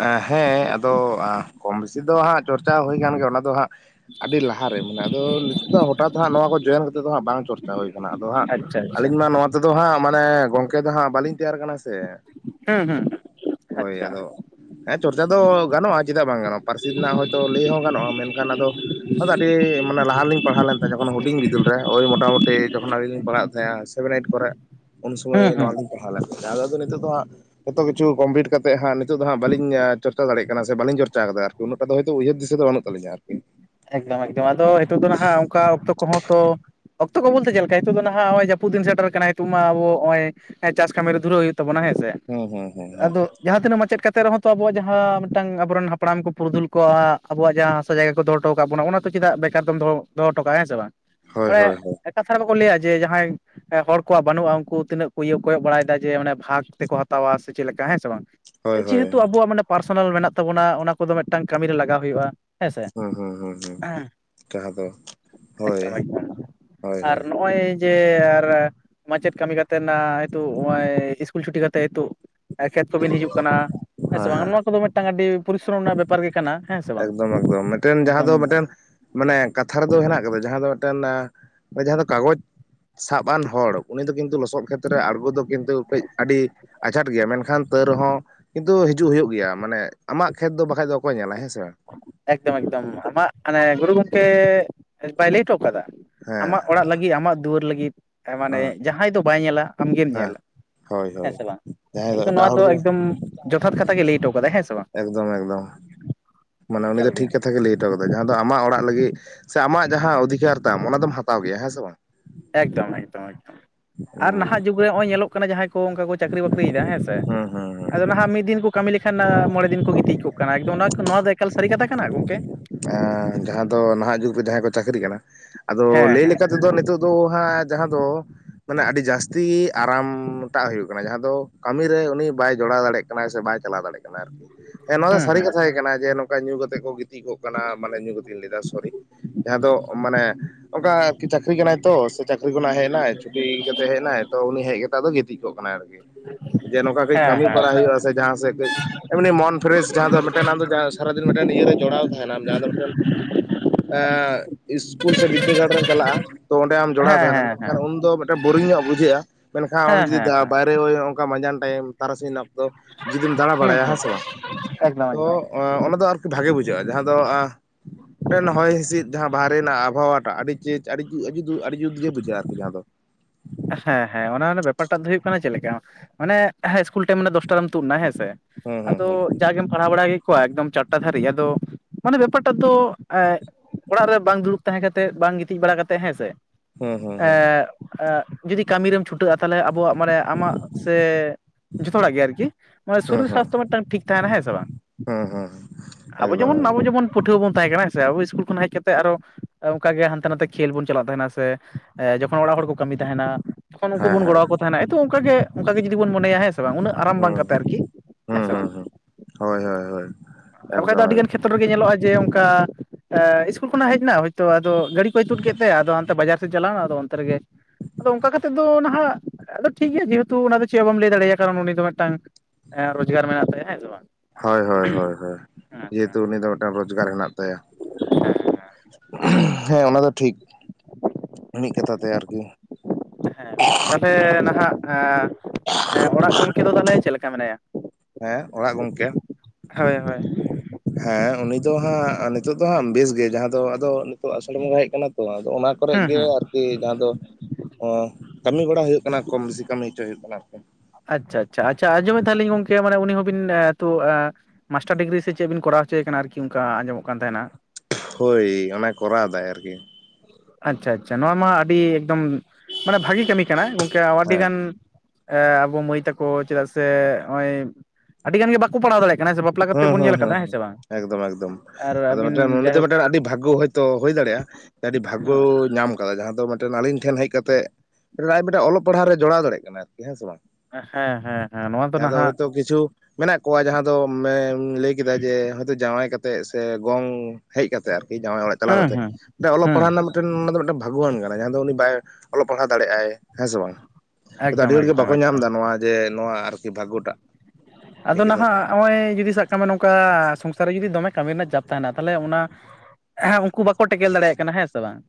ᱮᱸ ᱦᱮᱸ ᱟᱫᱚ ᱟᱸ ᱠᱚᱢ ᱵᱮᱥᱤ ᱫᱚ ᱦᱟᱸᱜ ᱪᱚᱨᱪᱟ ᱦᱩᱭ ᱠᱟᱱ ᱜᱮ, ᱚᱱᱟ ᱫᱚ ᱦᱟᱸᱜ ᱟᱹᱰᱤ ᱞᱟᱦᱟ ᱨᱮ ᱢᱟᱱᱮ ᱟᱫᱚ ᱱᱤᱛᱚᱜ ᱫᱚ ᱦᱚᱴᱟᱛ ᱫᱚ ᱦᱟᱸᱜ ᱱᱚᱣᱟ ᱠᱚ ᱡᱚᱭᱮᱱ ᱠᱟᱛᱮᱫ ᱫᱚ ᱦᱟᱸᱜ ᱵᱟᱝ ᱪᱚᱨᱪᱟ ᱦᱩᱭ ᱠᱟᱱᱟ ᱟᱫᱚ ᱦᱟᱸᱜ ᱟᱪᱪᱷᱟ ᱟᱪᱪᱷᱟ᱾ ᱱᱤᱛᱚᱜ ᱫᱚ ᱦᱟᱸᱜ ᱢᱟᱱᱮ ᱜᱚᱝᱠᱮ ᱫᱚ ᱦᱟᱸᱜ ᱵᱟᱹᱞᱤᱧ ᱛᱮᱭᱟᱨ ᱟᱠᱟᱱᱟ ᱥᱮ, ᱦᱩᱸ ᱦᱩᱸ ᱦᱳᱭ ᱟᱪᱪᱷᱟ ᱟᱫᱚ ᱦᱮᱸ ᱪᱚᱨᱪᱟ ᱫᱚ ᱜᱟᱱᱚᱜᱼᱟ ᱪᱮᱫᱟᱜ ᱵᱟᱝ ᱜᱟᱱᱚᱜᱼᱟ, ᱯᱟᱹᱨᱥᱤ ᱨᱮᱱᱟᱜ ᱦᱚᱭᱛᱳ ᱞᱟᱹᱭ ᱦᱚᱸ ᱜᱟᱱᱚᱜᱼᱟ ᱢᱮᱱᱠᱷᱟᱱ ᱟᱫᱚ ᱚᱱᱟ ᱫᱚ ᱟᱹᱰᱤ ᱢᱟᱱᱮ ᱞᱟᱦᱟ ᱨᱮᱞᱤᱧ ᱯᱟᱲᱦᱟᱣ ᱞᱮᱱ ᱛᱟᱦᱮᱸᱫ ᱡᱚᱠᱷᱚᱱ ᱦᱩᱰᱤᱧ ᱵᱤᱫᱟᱹᱞ ᱨᱮ ᱳᱭ ᱢᱚᱴᱟᱢᱩᱴᱤ ᱡᱚᱠᱷᱚᱱ ᱟᱹᱞᱤᱧ ᱞᱤᱧ ᱯᱟᱲᱦᱟᱜ ᱛᱟᱦᱮᱸᱜ-ᱟ ᱥᱮᱵᱮᱱ ᱟᱹᱭᱤᱴ ᱠᱚᱨᱮᱜ᱾ ᱩᱱ ᱥᱚᱢᱚᱭ ᱦᱩᱸ ᱦᱩᱸ ᱱᱚᱣᱟ ᱞᱤᱧ ᱯᱟᱲᱦᱟᱣ ᱞᱮᱱ ᱛᱟᱦᱮᱸᱫ, ᱡᱟᱸᱦᱟ ᱦᱤᱞᱳᱜ ᱫᱚ ᱱᱤᱛᱚᱜ ᱫᱚ ᱦᱟᱸᱜ ᱡᱷᱚᱛᱚ ᱠᱤᱪᱷᱩ ᱠᱚᱢᱯᱤᱞᱤᱴ ᱠᱟᱛᱮᱜ ᱦᱟᱸᱜ ᱱᱤᱛ ᱦᱟᱸᱜ ᱵᱟᱹᱞᱤᱻᱧ ᱪᱚᱨᱪᱟ ᱫᱟᱲᱮᱜ ᱠᱟᱱᱟ, ᱥᱮ ᱵᱟᱹᱞᱤᱧ ᱪᱚᱨᱪᱟ ᱟᱠᱟᱫᱟ ᱟᱨᱠᱤ ᱩᱱᱟᱹᱜ ᱴᱟᱜ ᱫᱚ ᱦᱚᱭᱛᱳ ᱩᱭᱦᱟᱹᱨ ᱫᱤᱥᱟᱹ ᱫᱚ ᱵᱟᱹᱱᱩᱜ ᱛᱟᱹᱞᱤᱧᱟ ᱟᱨᱠᱤ᱾ ᱮᱠᱫᱚᱢ ᱮᱠᱫᱚᱢ ᱟᱫᱚ ᱦᱤᱛᱚᱜ ᱫᱚ ᱱᱷᱟᱸᱜ ᱚᱸᱠᱟ ᱚᱠᱛᱚ ᱠᱚᱦᱚᱸ ᱛᱚ ᱚᱠᱛᱚ ᱠᱚ ᱵᱳᱞᱛᱮ ᱪᱮᱫ ᱞᱮᱠᱟ, ᱦᱤᱛᱚᱜ ᱫᱚ ᱱᱷᱟᱸᱜ ᱦᱚᱜᱼᱚᱭ ᱡᱟᱹᱯᱩᱫ ᱫᱤᱱ ᱥᱮᱴᱮᱨ ᱟᱠᱟᱱᱟ ᱦᱤᱛᱩᱜ ᱢᱟ ᱟᱵᱚ ᱦᱚᱸᱜᱼᱚᱭ ᱮᱸ ᱪᱟᱥ ᱠᱟᱹᱢᱤ ᱨᱮ ᱫᱷᱩᱨᱟᱹᱣ ᱦᱩᱭᱩᱜ ᱛᱟᱵᱚᱱᱟ ᱦᱮᱸ ᱥᱮ? ᱦᱩᱸ ᱦᱩᱸ ᱦᱩᱸ ᱦᱩᱸ᱾ ᱟᱫᱚ ᱡᱟᱦᱟᱸ ᱛᱤᱱᱟᱹᱜ ᱢᱟᱪᱮᱫ ᱠᱟᱛᱮᱫ ᱨᱮᱦᱚᱸ ᱛᱚ ᱟᱵᱚᱣᱟᱜ ᱡᱟᱦᱟᱸ ᱢᱮᱫᱴᱟᱝ ᱟᱵᱚᱨᱮᱱ ᱦᱟᱯᱲᱟᱢ ᱠᱚ ᱯᱩᱨᱫᱷᱩᱞ ᱠᱚ ᱦᱟᱜ ᱟᱵᱚᱣᱟᱜ ᱡᱟᱦᱟᱸ ᱦᱟᱥᱟ ᱡᱟᱭᱜᱟ ᱠᱚ ᱫᱚᱦᱚ ᱦᱚᱴᱚ ᱟᱠᱟᱜ ᱵᱚᱱᱟ ᱚᱱᱟ ᱛᱚ ᱪᱮᱫᱟᱜ ᱵᱮᱠᱟᱨ ᱫᱚᱢ ᱫᱚᱦᱚ, ᱫᱚᱦᱚ ᱦᱚᱴᱚ ᱠᱟᱜᱼᱟ ᱦᱮᱸ ᱥᱮ ᱵᱟᱝ, ᱦᱳᱭ ᱢᱟᱱᱮᱜ ᱦᱳᱭ ᱦᱳᱭ ᱮᱸ ᱠᱟᱛᱷᱟ ᱨᱮ ᱵᱟᱠᱚ ᱞᱟᱹᱭᱟ ᱡᱮ ᱡᱟᱦᱟᱸᱭ ᱮᱸ ᱦᱚᱲ ᱠᱚᱣᱟᱜ ᱵᱟᱹᱱᱩᱜᱼᱟ ᱩᱱᱠᱩ ᱛᱤᱱᱟᱹᱜ ᱠᱚ ᱤᱭᱟᱹ ᱠᱚᱭᱚᱜ ᱵᱟᱲᱟᱭᱮᱫᱟ ᱡᱮ ᱢᱟᱱᱮ ᱵᱷᱟᱜᱽ ᱛᱮᱠᱚ ᱦᱟᱛᱟᱣᱟ ᱥᱮ ᱪᱮᱫ ᱞᱮᱠᱟ ᱦᱮᱸ ᱥᱮ ᱵᱟᱝ? ᱦᱳᱭ ᱦᱳᱭ ᱡᱮᱦᱮᱛᱩ ᱟᱵᱚᱣᱟᱜ ᱢᱟᱱᱮ ᱯᱟᱨᱥᱚᱱᱟᱞ ᱢᱮᱱᱟᱜ ᱛᱟᱵᱚᱱᱟ ᱚᱱᱟ ᱠᱚᱫᱚ ᱢᱮᱫᱴᱟᱝ ᱠᱟᱹᱢᱤ ᱨᱮ ᱞᱟᱜᱟᱣ ᱦᱩᱭᱩᱜᱼᱟ ᱦᱮᱸᱥᱮ? ᱦᱩᱸ ᱦᱩᱸ ᱦᱩᱸ ᱦᱩᱸ ᱦᱮᱸ, ᱡᱟᱦᱟᱸ ᱫᱚ ᱦᱳᱭ ᱮᱠᱫᱚᱢ ᱮᱠᱫᱚᱢ ᱦᱳᱭ ᱟᱨ ᱦᱳᱭ ᱱᱚᱜᱼᱚᱭ ᱡᱮ ᱟᱨ ᱢᱟᱪᱮᱫ ᱠᱟᱹᱢᱤ ᱠᱟᱛᱮᱱ ᱟᱸ ᱦᱤᱭ ᱛᱩᱜ, ᱦᱚᱸᱜᱼᱚᱭ ᱤᱥᱠᱩᱞ ᱪᱷᱩᱴᱤ ᱠᱟᱛᱮ ᱦᱤᱛᱩᱜ ᱮᱸ ᱠᱷᱮᱛ ᱠᱚᱵᱤᱱ ᱦᱤᱡᱩᱜ ᱠᱟᱱᱟ ᱦᱮᱸ ᱥᱮ ᱵᱟᱝᱼᱟ, ᱱᱚᱣᱟ ᱠᱚᱫᱚ ᱢᱮᱫᱴᱟᱝ ᱟᱹᱰᱤ ᱯᱩᱨᱤᱥᱚᱨᱚᱢ ᱨᱮᱱᱟᱜ ᱵᱮᱯᱟᱨ ᱜᱮ ᱠᱟᱱᱟ ᱦᱮᱸ ᱥᱮ ᱵᱟᱝ? ᱮᱠᱫᱚᱢ ᱮᱠᱫᱚᱢ ᱢᱤᱫᱴᱮᱱ ᱡᱟᱦᱟᱸ ᱮᱠᱫᱚᱢ ᱫᱚ ᱢᱤᱫᱴᱮᱱ ᱢᱟᱱᱮ ᱠᱟᱛᱷᱟ ᱨᱮᱫᱚ ᱦᱮᱱᱟᱜ ᱜᱮᱫᱚ ᱡᱟᱦᱟᱸ ᱫᱚ ᱢᱤᱫᱴᱮᱱᱼᱮᱸ ᱡᱟᱦᱟᱸ ᱫᱚ ᱠᱟᱜᱚᱡᱽ ᱥᱟᱵ ᱟᱱ ᱦᱚᱲ ᱩᱱᱤ ᱫᱚ ᱠᱤᱱᱛᱩ ᱞᱚᱥᱚᱫ ᱠᱷᱮᱛ ᱨᱮ ᱟᱸᱬᱜᱳ ᱫᱚ ᱠᱤᱱᱛᱩ ᱠᱟᱹᱡ ᱟᱹᱰᱤ ᱟᱡᱷᱟᱴ ᱜᱮᱭᱟ ᱢᱮᱱᱠᱷᱟᱱ ᱛᱟᱹᱣ ᱨᱮᱦᱚᱸ ᱠᱤᱱᱛᱩ ᱦᱤᱡᱩᱜ ᱦᱩᱭᱩᱜ ᱜᱮᱭᱟ, ᱢᱟᱱᱮ ᱟᱢᱟᱜ ᱠᱷᱮᱛ ᱫᱚ ᱵᱟᱠᱷᱟᱡ ᱫᱚ ᱚᱠᱚᱭ ᱧᱮᱞ ᱞᱟᱭ ᱦᱮᱸᱥᱮ? [unintelligible] ᱮᱠᱫᱚᱢ ᱮᱠᱫᱚᱢ ᱟᱢᱟᱜ ᱟᱱᱮ ᱜᱩᱨᱩ ᱜᱚᱝᱠᱮᱻᱜ ᱵᱟᱭ ᱞᱟᱹᱭ ᱚᱴᱚ ᱠᱟᱫᱟ? ᱟᱢᱟᱜ ᱦᱮᱸ ᱚᱲᱟᱜ ᱞᱟᱹᱜᱤᱜ ᱟᱢᱟᱜ ᱫᱩᱣᱟᱹᱨ ᱞᱟᱹᱜᱤᱫ, ᱮᱸ ᱢᱟᱱᱮ ᱡᱟᱦᱟᱸᱭ ᱫᱚ ᱵᱟᱭ ᱧᱮᱞᱟ ᱟᱢᱜᱮᱢ ᱦᱮᱸ ᱧᱮᱞᱼᱟ᱾ ᱦᱳᱭ ᱦᱳᱭ ᱦᱮᱸᱥᱮ ᱵᱟᱝ, ᱡᱟᱦᱟᱸᱭ ᱠᱤᱱᱛᱩ ᱱᱚᱣᱟ ᱮᱴᱟᱜ ᱦᱚᱲ ᱫᱚ ᱮᱠᱫᱚᱢ ᱡᱚᱛᱷᱟᱛ ᱠᱟᱛᱷᱟ ᱜᱮ ᱞᱟᱹᱭ ᱚᱴᱚ ᱠᱟᱫᱟᱭ ᱦᱮᱸ ᱥᱮ ᱵᱟᱝ? ᱫᱚᱢ ᱮᱠᱫᱚᱢ ᱢᱟᱱᱮ ᱩᱱᱤ ᱫᱚ ᱴᱷᱤᱠ ᱠᱟᱛᱷᱟ ᱜᱮ ᱞᱟᱹᱭ ᱱᱚᱛᱮ ᱨᱮᱫᱚ, ᱡᱟᱦᱟᱸ ᱫᱚ ᱟᱢᱟᱜ ᱚᱲᱟᱜ ᱞᱟᱹᱜᱤᱜ ᱥᱮ ᱟᱢᱟᱜ ᱡᱟᱦᱟᱸ ᱚᱫᱷᱤᱠᱟᱨ ᱛᱟᱢ ᱚᱱᱟ ᱫᱚᱢ ᱦᱟᱛᱟᱣ ᱜᱮᱭᱟ ᱦᱮᱸ ᱥᱮ ᱵᱟᱝ? ᱮᱠᱫᱚᱢ ᱮᱠᱫᱚᱢ ᱮᱠᱫᱚᱢ ᱟᱨ ᱦᱩᱸ ᱱᱟᱦᱟᱸᱜ ᱡᱩᱜᱽ ᱠᱚᱨᱮ ᱦᱚᱜ-ᱚᱭ ᱧᱮᱞᱚᱜ ᱠᱟᱱᱟ ᱡᱟᱦᱟᱸᱭ ᱠᱚ ᱚᱱᱠᱟ ᱠᱚ ᱪᱟᱠᱨᱤ ᱵᱟᱹᱠᱨᱤᱭ ᱫᱟ, ᱦᱮᱸ ᱥᱮ? ᱦᱩᱸ ᱦᱩᱸ ᱦᱩᱸ᱾ ᱟᱫᱚ ᱱᱟᱦᱟᱜ ᱢᱤᱫ ᱫᱤᱱ ᱠᱚ ᱠᱟᱹᱢᱤ ᱞᱮᱠᱷᱟᱱ ᱟ ᱢᱚᱬᱮ ᱫᱤᱱ ᱠᱚ ᱜᱤᱛᱤᱡ ᱠᱚᱜ ᱠᱟᱱᱟ, ᱮᱠᱫᱚᱢ ᱚᱱᱟ ᱱᱚᱣᱟ ᱫᱚ ᱮᱠᱟᱞ ᱥᱟᱹᱨᱤ ᱠᱟᱛᱷᱟ ᱠᱟᱱᱟ ᱜᱚᱝᱠᱮ? ᱟ ᱡᱟᱦᱟᱸ ᱫᱚ ᱱᱟᱦᱟᱜ ᱡᱩᱜᱽ ᱨᱮ ᱡᱟᱦᱟᱸᱭ ᱠᱚ ᱪᱟᱠᱨᱤ ᱠᱟᱱᱟ ᱟᱫᱚ ᱦᱮᱸ ᱞᱟᱹᱭ ᱦᱮᱸ ᱞᱮᱠᱟᱛᱮ ᱫᱚ ᱱᱤᱛᱚᱜ ᱫᱚ ᱦᱟᱸᱜ ᱡᱟᱦᱟᱸ ᱫᱚ ᱢᱟᱱᱮ ᱟᱹᱰᱤ ᱡᱟᱹᱟᱥᱛᱤ ᱟᱨᱟᱢ ᱴᱟᱜ ᱦᱩᱭᱩᱜ ᱠᱟᱱᱟ ᱡᱟᱦᱟᱸ ᱫᱚ ᱠᱟᱹᱢᱤ ᱨᱮ ᱩᱱᱤ ᱵᱟᱭ ᱡᱚᱲᱟᱣ ᱫᱟᱲᱮᱜ ᱠᱟᱱᱟᱭ ᱥᱮ ᱵᱟᱭ ᱪᱟᱞᱟᱣ ᱫᱟᱲᱮᱜ ᱠᱟᱱᱟ ᱟᱨᱠᱤ, ᱦᱮᱸ ᱱᱚᱣᱟ ᱫᱚ ᱦᱩᱸ ᱥᱟᱹᱨᱤ ᱦᱩᱸ ᱠᱟᱛᱷᱟ ᱠᱟᱱᱟ ᱡᱮ ᱱᱚᱝᱠᱟ ᱧᱩ ᱠᱟᱛᱮᱜ ᱠᱚ ᱜᱤᱛᱤᱡ ᱠᱚᱜ ᱠᱟᱱᱟ ᱢᱟᱱᱮ ᱧᱩᱸ ᱠᱟᱛᱮᱜ ᱤᱧ ᱞᱟᱹᱭ ᱫᱟ ᱥᱚᱨᱤ ᱡᱟᱦᱟᱸ ᱫᱚ ᱢᱟᱱᱮ ᱚᱱᱠᱟ ᱪᱟᱠᱨᱤ ᱠᱟᱱᱟᱭ ᱛᱚ ᱥᱮ ᱪᱟᱠᱨᱤ ᱠᱷᱚᱱᱟᱜ ᱦᱮᱡ ᱮᱱᱟᱭ ᱪᱷᱩᱴᱤ ᱠᱟᱛᱮ ᱦᱮᱡ ᱮᱱᱟᱭ ᱛᱚ ᱩᱱᱤ ᱦᱮᱡ ᱠᱟᱛᱮᱜ ᱟᱫᱚ ᱜᱤᱛᱤᱡ ᱠᱚᱜ ᱠᱟᱱᱟᱭ ᱟᱨᱠᱤ᱾ ᱡᱮ ᱱᱚᱝᱠᱟ ᱠᱟᱹᱡ ᱦᱮᱸ ᱠᱟᱹᱢᱤ ᱦᱮᱸ ᱵᱟᱲᱟᱭ ᱦᱩᱭᱩᱜᱼᱟ ᱡᱟᱦᱟᱸ ᱥᱮᱫ ᱠᱟᱹᱡ, ᱮᱢᱱᱤ ᱢᱚᱱ ᱯᱷᱮᱨᱮᱥ ᱡᱟᱦᱟᱸ ᱫᱚ ᱢᱮᱫᱴᱮᱱ ᱟᱢᱫᱚ ᱡᱟᱦᱟᱸ ᱥᱟᱨᱟ ᱫᱤᱱ ᱢᱮᱫᱴᱮᱱ ᱤᱭᱟᱹ ᱨᱮ ᱡᱚᱲᱟᱣ ᱛᱟᱦᱮᱸᱱᱟᱢ ᱡᱟᱦᱟᱸ ᱫᱚ ᱢᱤᱫᱴᱮᱱ ᱮᱻ ᱤᱥᱠᱩᱞ ᱥᱮ ᱵᱤᱫᱽᱫᱟᱹᱜᱟᱲ ᱨᱮᱢ ᱪᱟᱞᱟᱜᱼᱟ ᱛᱚ ᱚᱸᱰᱮ ᱟᱢ ᱡᱚᱲᱟᱣ ᱦᱮᱸ ᱦᱮᱸ ᱛᱟᱦᱮᱸᱱᱟᱢ ᱦᱮᱸ ᱢᱮᱱᱠᱷᱟᱱ ᱩᱱ ᱫᱚ ᱢᱤᱫᱴᱟᱝ ᱵᱳᱨᱤᱝ ᱧᱚᱜ ᱵᱩᱡᱷᱟᱹᱜᱼᱟ ᱢᱮᱱᱠᱷᱟᱱ ᱟᱢ ᱦᱮᱸ ᱦᱮᱸ ᱡᱩᱫᱤ ᱦᱮᱸ ᱡᱟ ᱵᱟᱭ ᱨᱣ ᱚᱱᱠᱟ ᱢᱟᱸᱡᱟᱱ ᱴᱟᱭᱤᱢ ᱛᱟᱨᱟᱥᱤᱧ ᱚᱠᱛᱚ ᱡᱩᱫᱤᱢ ᱫᱟᱸᱬᱟ ᱵᱟᱲᱟᱭᱟ, ᱦᱮᱸ ᱥᱮ ᱵᱟᱝ? ᱮᱠᱫᱚᱢ ᱛᱚ ᱮᱠᱫᱚᱢ ᱚᱭ ᱚᱱᱟᱫᱚ ᱟᱨᱠᱤ ᱵᱷᱟᱜᱮ ᱵᱩᱡᱷᱟᱹᱜᱼᱟ ᱡᱟᱦᱟᱸ ᱫᱚ ᱟ ᱴᱮᱱ ᱦᱚᱭ ᱦᱤᱸᱥᱤᱫ ᱡᱟᱦᱟᱸ ᱵᱟᱦᱨᱮ ᱨᱮᱱᱟᱜ ᱟᱵᱚᱦᱟᱣᱟ ᱴᱟᱜ ᱟᱹᱰᱤ ᱪᱮᱡ ᱟᱹᱰᱤ ᱡᱩ ᱟᱹᱰᱤ ᱡᱩ ᱟᱹᱰᱤ ᱡᱩᱛ ᱜᱮ ᱵᱩᱡᱷᱟᱹᱜᱼᱟ ᱟᱨᱠᱤ ᱡᱟᱦᱟᱸ ᱫᱚ᱾ ᱦᱮᱸ ᱦᱮᱸ ᱚᱱᱟ ᱢᱟᱱᱮ ᱵᱮᱯᱟᱨ ᱴᱟᱜ ᱫᱚ ᱦᱩᱭᱩᱜ ᱠᱟᱱᱟ ᱪᱮᱫ ᱞᱮᱠᱟ ᱢᱟᱱᱮ ᱤᱥᱠᱩᱞ ᱴᱟᱭᱤᱢ ᱢᱟᱱᱮ ᱫᱚᱥᱴᱟ ᱨᱮᱢ ᱛᱩᱫ ᱱᱟ ᱦᱮᱸ ᱥᱮ ᱦᱮᱸ ᱦᱮᱸ ᱟᱫᱚ ᱦᱮᱸ ᱡᱟᱜᱮᱢ ᱯᱟᱲᱦᱟᱣ ᱵᱟᱲᱟ ᱠᱮᱫ ᱠᱚᱣᱟ ᱮᱠᱫᱚᱢ ᱪᱟᱨᱴᱟ ᱫᱷᱟᱹᱨᱤᱡ ᱟᱫᱚ ᱢᱟᱱᱮ ᱵᱮᱯᱟᱨᱴᱟᱜ ᱫᱚ ᱮᱸ ᱚᱸᱲᱟᱜ ᱨᱮ ᱵᱟᱝ ᱫᱩᱲᱩᱵ ᱛᱟᱦᱮᱸ ᱠᱟᱛᱮᱫ ᱵᱟᱝ ᱜᱤᱛᱤᱡ ᱵᱟᱲᱟ ᱠᱟᱛᱮᱫ, ᱦᱮᱸ ᱥᱮ? ᱦᱮᱸ ᱦᱮᱸ ᱮ ᱦᱮᱸ ᱮ ᱡᱩᱫᱤ ᱠᱟᱹᱢᱤ ᱨᱮᱢ ᱪᱷᱩᱴᱟᱹᱜᱼᱟ ᱛᱟᱞᱦᱮ ᱟᱵᱚᱣᱟᱜ ᱢᱟᱱᱮ ᱟᱢᱟᱜ ᱥᱮ ᱡᱷᱚᱛᱚ ᱦᱚᱲᱟᱜ ᱜᱮ ᱟᱨᱠᱤ, ᱢᱟᱱᱮ ᱦᱮᱸ ᱥᱚᱨᱤᱨ ᱥᱟᱥᱛᱷᱚ ᱢᱤᱫᱴᱟᱝ ᱴᱷᱤᱠ ᱛᱟᱦᱮᱸᱱᱟ ᱦᱮᱸ ᱥᱮ ᱵᱟᱝ? ᱦᱮᱸ ᱦᱮᱸ ᱦᱮᱸ ᱟᱵᱚ ᱮᱠᱫᱚᱢ ᱡᱮᱢᱚᱱ ᱟᱵᱚ ᱮᱠᱫᱚᱢ ᱡᱮᱢᱚᱱ ᱯᱟᱹᱴᱷᱩᱣᱟᱹ ᱵᱚᱱ ᱛᱟᱦᱮᱸ ᱠᱟᱱᱟ ᱦᱮᱸ ᱥᱮ, ᱟᱵᱚ ᱤᱥᱠᱩᱞ ᱠᱷᱚᱱ ᱦᱮᱡ ᱠᱟᱛᱮᱫ ᱟᱨᱚ ᱮ ᱚᱱᱠᱟ ᱜᱮ ᱦᱟᱱᱛᱮ ᱱᱟᱛᱮ ᱠᱷᱮᱞ ᱵᱚᱱ ᱪᱟᱞᱟᱜ ᱛᱟᱦᱮᱸᱱᱟ ᱥᱮ ᱮ ᱡᱚᱠᱷᱚᱱ ᱚᱸᱲᱟᱜ ᱦᱚᱲ ᱠᱚ ᱠᱟᱹᱢᱤ ᱛᱟᱦᱮᱸᱱᱟ ᱛᱚᱠᱷᱱ ᱩᱱᱠᱩ ᱦᱮᱸ ᱵᱚᱱ ᱦᱮᱸ ᱜᱚᱲᱚ ᱟᱠᱚ ᱛᱟᱦᱮᱸᱱᱟ ᱦᱮᱛᱳᱜ ᱚᱱᱠᱟ ᱜᱮ ᱚᱱᱠᱟ ᱜᱮ ᱡᱩᱫᱤ ᱵᱚᱱ ᱢᱚᱱᱮᱭᱟ ᱦᱮᱸ ᱥᱮ ᱵᱟᱝ ᱩᱱᱟᱹᱜ ᱟᱨᱟᱢ ᱵᱟᱝ ᱦᱮᱸ ᱠᱟᱛᱮ ᱟᱨᱠᱤ ᱦᱮᱸ ᱥᱮ ᱵᱟᱝ? ᱦᱳᱭ ᱦᱳᱭ ᱦᱳᱭ᱾ ᱟᱨ ᱵᱟᱠᱷᱟᱡ ᱫᱚ ᱮᱠᱫᱚᱢ ᱟᱹᱰᱤᱜᱟᱱ ᱮᱠᱫᱚᱢ ᱠᱷᱮᱛᱨᱚ ᱨᱮᱜᱮ ᱧᱮᱞᱚᱜᱼᱟ ᱡᱮ ᱚᱱᱠᱟ ᱮ ᱤᱥᱠᱩᱞ ᱠᱷᱚᱱᱟᱜ ᱦᱮᱡ ᱮᱱᱟ ᱦᱚᱭᱛᱚ ᱟᱫᱚ ᱜᱟᱹᱰᱤ ᱠᱚᱭ ᱛᱩᱫ ᱠᱮᱫ ᱛᱟᱭᱟ ᱟᱫᱚ ᱦᱟᱱᱛᱮ ᱵᱟᱡᱟᱨ ᱥᱮᱫ ᱪᱟᱞᱟᱣ ᱮᱱᱟ ᱟᱫᱚ ᱚᱱᱛᱮ ᱨᱮᱜᱮ ᱟᱫᱚ ᱚᱱᱠᱟ ᱠᱟᱛᱮᱫ ᱫᱚ ᱱᱟᱦᱟᱜ ᱟᱫᱚ ᱴᱷᱤᱠ ᱜᱮᱭᱟ ᱡᱮᱦᱮᱛᱩ ᱚᱱᱟ ᱫᱚ ᱪᱮᱫ ᱦᱚ ᱵᱟᱢ ᱞᱟᱹᱭ ᱫᱟᱲᱮᱭᱟᱭᱟ ᱠᱟᱨᱚᱱ ᱩᱱᱤ ᱫᱚ ᱢᱤᱫᱴᱟᱝ ᱮᱸ ᱨᱚᱡᱜᱟᱨ ᱢᱮᱱᱟᱜ ᱛᱟᱭᱟ, ᱦᱮᱸ ᱥᱮ ᱵᱟᱝ? ᱦᱳᱭ ᱦᱳᱭ ᱦᱳᱭ ᱦᱳᱭ, ᱦᱮᱸ ᱡᱮᱦᱮᱛᱩ ᱩᱱᱤ ᱫᱚ ᱢᱤᱫᱴᱟᱝ ᱨᱳᱡᱽᱜᱟᱨ ᱦᱮᱱᱟᱜ ᱛᱟᱭᱟ᱾ ᱦᱮᱸ ᱚᱱᱟ ᱫᱚ ᱴᱷᱤᱠ ᱢᱤᱫ ᱠᱟᱛᱷᱟ ᱛᱮ ᱟᱨᱠᱤ᱾ ᱦᱮᱸ ᱜᱚᱝᱠᱮ, ᱛᱟᱞᱦᱮ ᱱᱟᱦᱟᱜ ᱮᱸ ᱚᱲᱟᱜ ᱜᱚᱝᱠᱮ ᱫᱚ ᱛᱟᱞᱦᱮ ᱪᱮᱫ ᱞᱮᱠᱟ ᱢᱮᱱᱟᱭᱟ? ᱦᱮᱸ ᱚᱲᱟᱜ ᱜᱚᱝᱠᱮ? ᱦᱳᱭ ᱦᱳᱭ ᱦᱮᱸ ᱩᱱᱤ ᱫᱚ ᱦᱟᱸᱜ ᱱᱤᱛᱚᱜ ᱫᱚ ᱦᱟᱸᱜ ᱵᱮᱥ ᱜᱮ ᱡᱟᱦᱟᱸ ᱫᱚ ᱟᱫᱚ ᱛᱚ ᱟᱥᱟᱲ ᱵᱚᱸᱜᱟ ᱦᱮᱡ ᱠᱟᱱᱟ ᱛᱚ ᱟᱫᱚ ᱚᱱᱟ ᱠᱚᱨᱮ ᱦᱩᱸ ᱜᱮ ᱦᱩᱸ ᱟᱨ ᱠᱤ ᱡᱟᱦᱟᱸ ᱫᱚ ᱚᱸ ᱠᱟᱹᱢᱤ ᱜᱚᱲᱟ ᱦᱩᱭᱩᱜ ᱠᱟᱱᱟ ᱠᱚᱢ ᱵᱤᱥᱤ ᱠᱟᱹᱢᱤ ᱦᱚᱪᱚᱭᱮ ᱦᱩᱭᱩᱜ ᱠᱟᱱᱟ᱾ ᱟᱪᱪᱷᱟ ᱟᱪᱪᱷᱟ, ᱟᱪᱪᱷᱟ ᱟᱸᱡᱚᱢᱮᱫ ᱛᱟᱦᱮᱞᱤᱧ ᱜᱚᱝᱠᱮ ᱢᱟᱱᱮ ᱩᱱᱤ ᱦᱚᱸᱵᱤᱱ ᱮᱸ ᱛᱩ ᱮᱸ ᱢᱟᱥᱴᱟᱨ ᱰᱤᱜᱽᱨᱤ ᱥᱮ ᱪᱮᱫ ᱵᱤᱱ ᱠᱚᱨᱟᱣ ᱦᱚᱪᱚᱭᱮ ᱠᱟᱱᱟ ᱟᱨᱠᱤ ᱚᱱᱠᱟ ᱟᱸᱡᱚᱢᱚᱜ ᱠᱟᱱ ᱛᱟᱦᱮᱱᱟ᱾ ᱦᱳᱭ ᱚᱱᱟ ᱠᱚᱨᱟᱣᱫᱟᱭ ᱟᱨᱠᱤ᱾ ᱟᱪᱪᱷᱟ ᱟᱪᱪᱷᱟ, ᱱᱚᱣᱟ ᱢᱟ ᱟᱹᱰᱤ ᱮᱠᱫᱚᱢ ᱢᱟᱱᱮ ᱵᱷᱟᱹᱜᱮ ᱠᱟᱹᱢᱤ ᱠᱟᱱᱟ ᱜᱚᱝᱠᱮ ᱟᱹᱰᱤ ᱦᱮᱸ ᱜᱟᱱ ᱮ ᱟᱵᱚ ᱢᱟᱹᱭ ᱛᱟᱠᱚ ᱪᱮᱫᱟᱜ ᱥᱮ ᱦᱚᱸᱜᱼᱚᱭ ᱟᱹᱰᱤ ᱜᱟᱱ ᱜᱮ ᱵᱟᱠᱚ ᱯᱟᱲᱦᱟᱣ ᱫᱟᱲᱮᱜ ᱠᱟᱱᱟ ᱦᱮᱸ ᱥᱮ ᱵᱟᱯᱞᱟ ᱠᱟᱛᱮᱫ ᱦᱩᱸ ᱵᱚᱱ ᱦᱩᱸ ᱧᱮᱞ ᱦᱩᱸ ᱟᱠᱟᱫᱟ ᱦᱮᱸ ᱦᱩᱸ, ᱥᱮ ᱵᱟᱝ ᱮᱠᱫᱚᱢ ᱮᱠᱫᱚᱢ ᱟᱨ ᱟᱫᱚ ᱟᱹᱵᱤᱱ ᱢᱮᱫᱴᱮᱱ ᱩᱱᱤ ᱫᱚ ᱡᱟᱭᱦᱳᱠ ᱢᱤᱫᱴᱮᱱ ᱟᱹᱰᱤ ᱵᱷᱟᱜᱜᱳ ᱦᱚᱭ ᱛᱚ ᱦᱩᱭ ᱫᱟᱲᱮᱭᱟᱜ-ᱟ ᱟᱹᱰᱤ ᱵᱷᱟᱜᱜᱳ ᱦᱮᱸ ᱧᱟᱢ ᱠᱟᱫᱟᱭ ᱡᱟᱦᱟᱸ ᱫᱚ ᱢᱤᱫᱴᱮᱱ ᱟᱞᱤᱧ ᱴᱷᱮᱱ ᱦᱮᱡ ᱠᱟᱛᱮᱜ ᱟᱡ ᱢᱤᱫᱴᱮᱱ ᱚᱞᱚᱜ ᱯᱟᱲᱦᱟᱜ ᱨᱮ ᱡᱚᱲᱟᱣ ᱫᱟᱲᱮᱜ ᱠᱟᱱᱟᱭ ᱟᱨᱠᱤ, ᱦᱮᱸ ᱥᱮ ᱵᱟᱝ? ᱦᱮᱸ ᱦᱮᱸ ᱦᱮᱸ, ᱱᱚᱣᱟ ᱫᱚ ᱟᱫᱚ ᱫᱟᱱᱦᱟᱜ ᱦᱳᱭᱛᱳ ᱠᱤᱪᱷᱩ ᱢᱮᱱᱟᱜ ᱠᱚᱣᱟ ᱡᱟᱦᱟᱸ ᱫᱚ ᱢᱮ ᱞᱟᱹᱭ ᱠᱮᱫᱟᱭ ᱡᱮ ᱦᱚᱭᱛ ᱡᱟᱶᱟᱭ ᱠᱟᱛᱮ ᱛᱮᱜ ᱥᱮ ᱜᱚᱝ ᱦᱮᱡ ᱠᱟᱛᱮᱫ ᱟᱨᱠᱤ, ᱡᱟᱶᱟᱭ ᱚᱲᱟᱜ ᱪᱟᱞᱟᱣ ᱦᱮᱸ ᱠᱟᱛᱮ ᱦᱮᱸ ᱚᱞᱚᱜ ᱦᱮᱸ ᱯᱟᱲᱦᱟᱣ ᱨᱮᱱᱟᱜ ᱴᱟᱹᱱ ᱚᱱᱟ ᱫᱚ ᱢᱤᱫᱴᱟᱝ ᱵᱷᱟᱜᱚᱣᱟᱱ ᱠᱟᱱᱟ ᱡᱟᱦᱟᱸ ᱫᱚ ᱩᱱᱤ ᱵᱟᱭ ᱚᱞᱚᱜ ᱯᱟᱲᱦᱟᱣ ᱫᱟᱲᱮᱜ-ᱟᱭ ᱦᱮᱸ ᱥᱮ ᱵᱟᱝ, ᱟᱫᱚ ᱟᱹᱰᱤ ᱮᱠᱫᱚᱢ ᱦᱚᱲᱜᱮ ᱮᱠᱫᱚᱢ ᱵᱟᱠᱚ ᱮᱠᱫᱚᱢ ᱧᱟᱢ ᱫᱟ ᱱᱚᱣᱟ ᱡᱮ ᱱᱚᱣᱟ ᱟᱨᱠᱤ ᱵᱷᱟᱜᱽᱜᱳ ᱴᱟᱜ, ᱟᱫᱚ ᱱᱟᱦᱟᱜ ᱚᱭ ᱡᱩᱫᱤ ᱥᱟᱵ ᱠᱟᱜ ᱢᱮ ᱱᱚᱝᱠᱟ ᱥᱚᱝᱥᱟᱨ ᱨᱮ ᱡᱩᱫᱤ ᱫᱚᱢᱮ ᱠᱟᱹᱢᱤ ᱨᱮᱱᱟᱜ ᱪᱟᱯ᱾ ᱛᱟᱦᱮᱱᱟ, ᱛᱟᱞᱦᱮ ᱚᱱᱟ ᱦᱮᱸ ᱩᱝᱠᱩ ᱵᱟᱠᱚ ᱴᱮᱠᱮᱞ ᱫᱟᱲᱮᱭᱟᱜ ᱠᱟᱱᱟ ᱦᱮᱸ ᱥᱮ ᱵᱟᱝ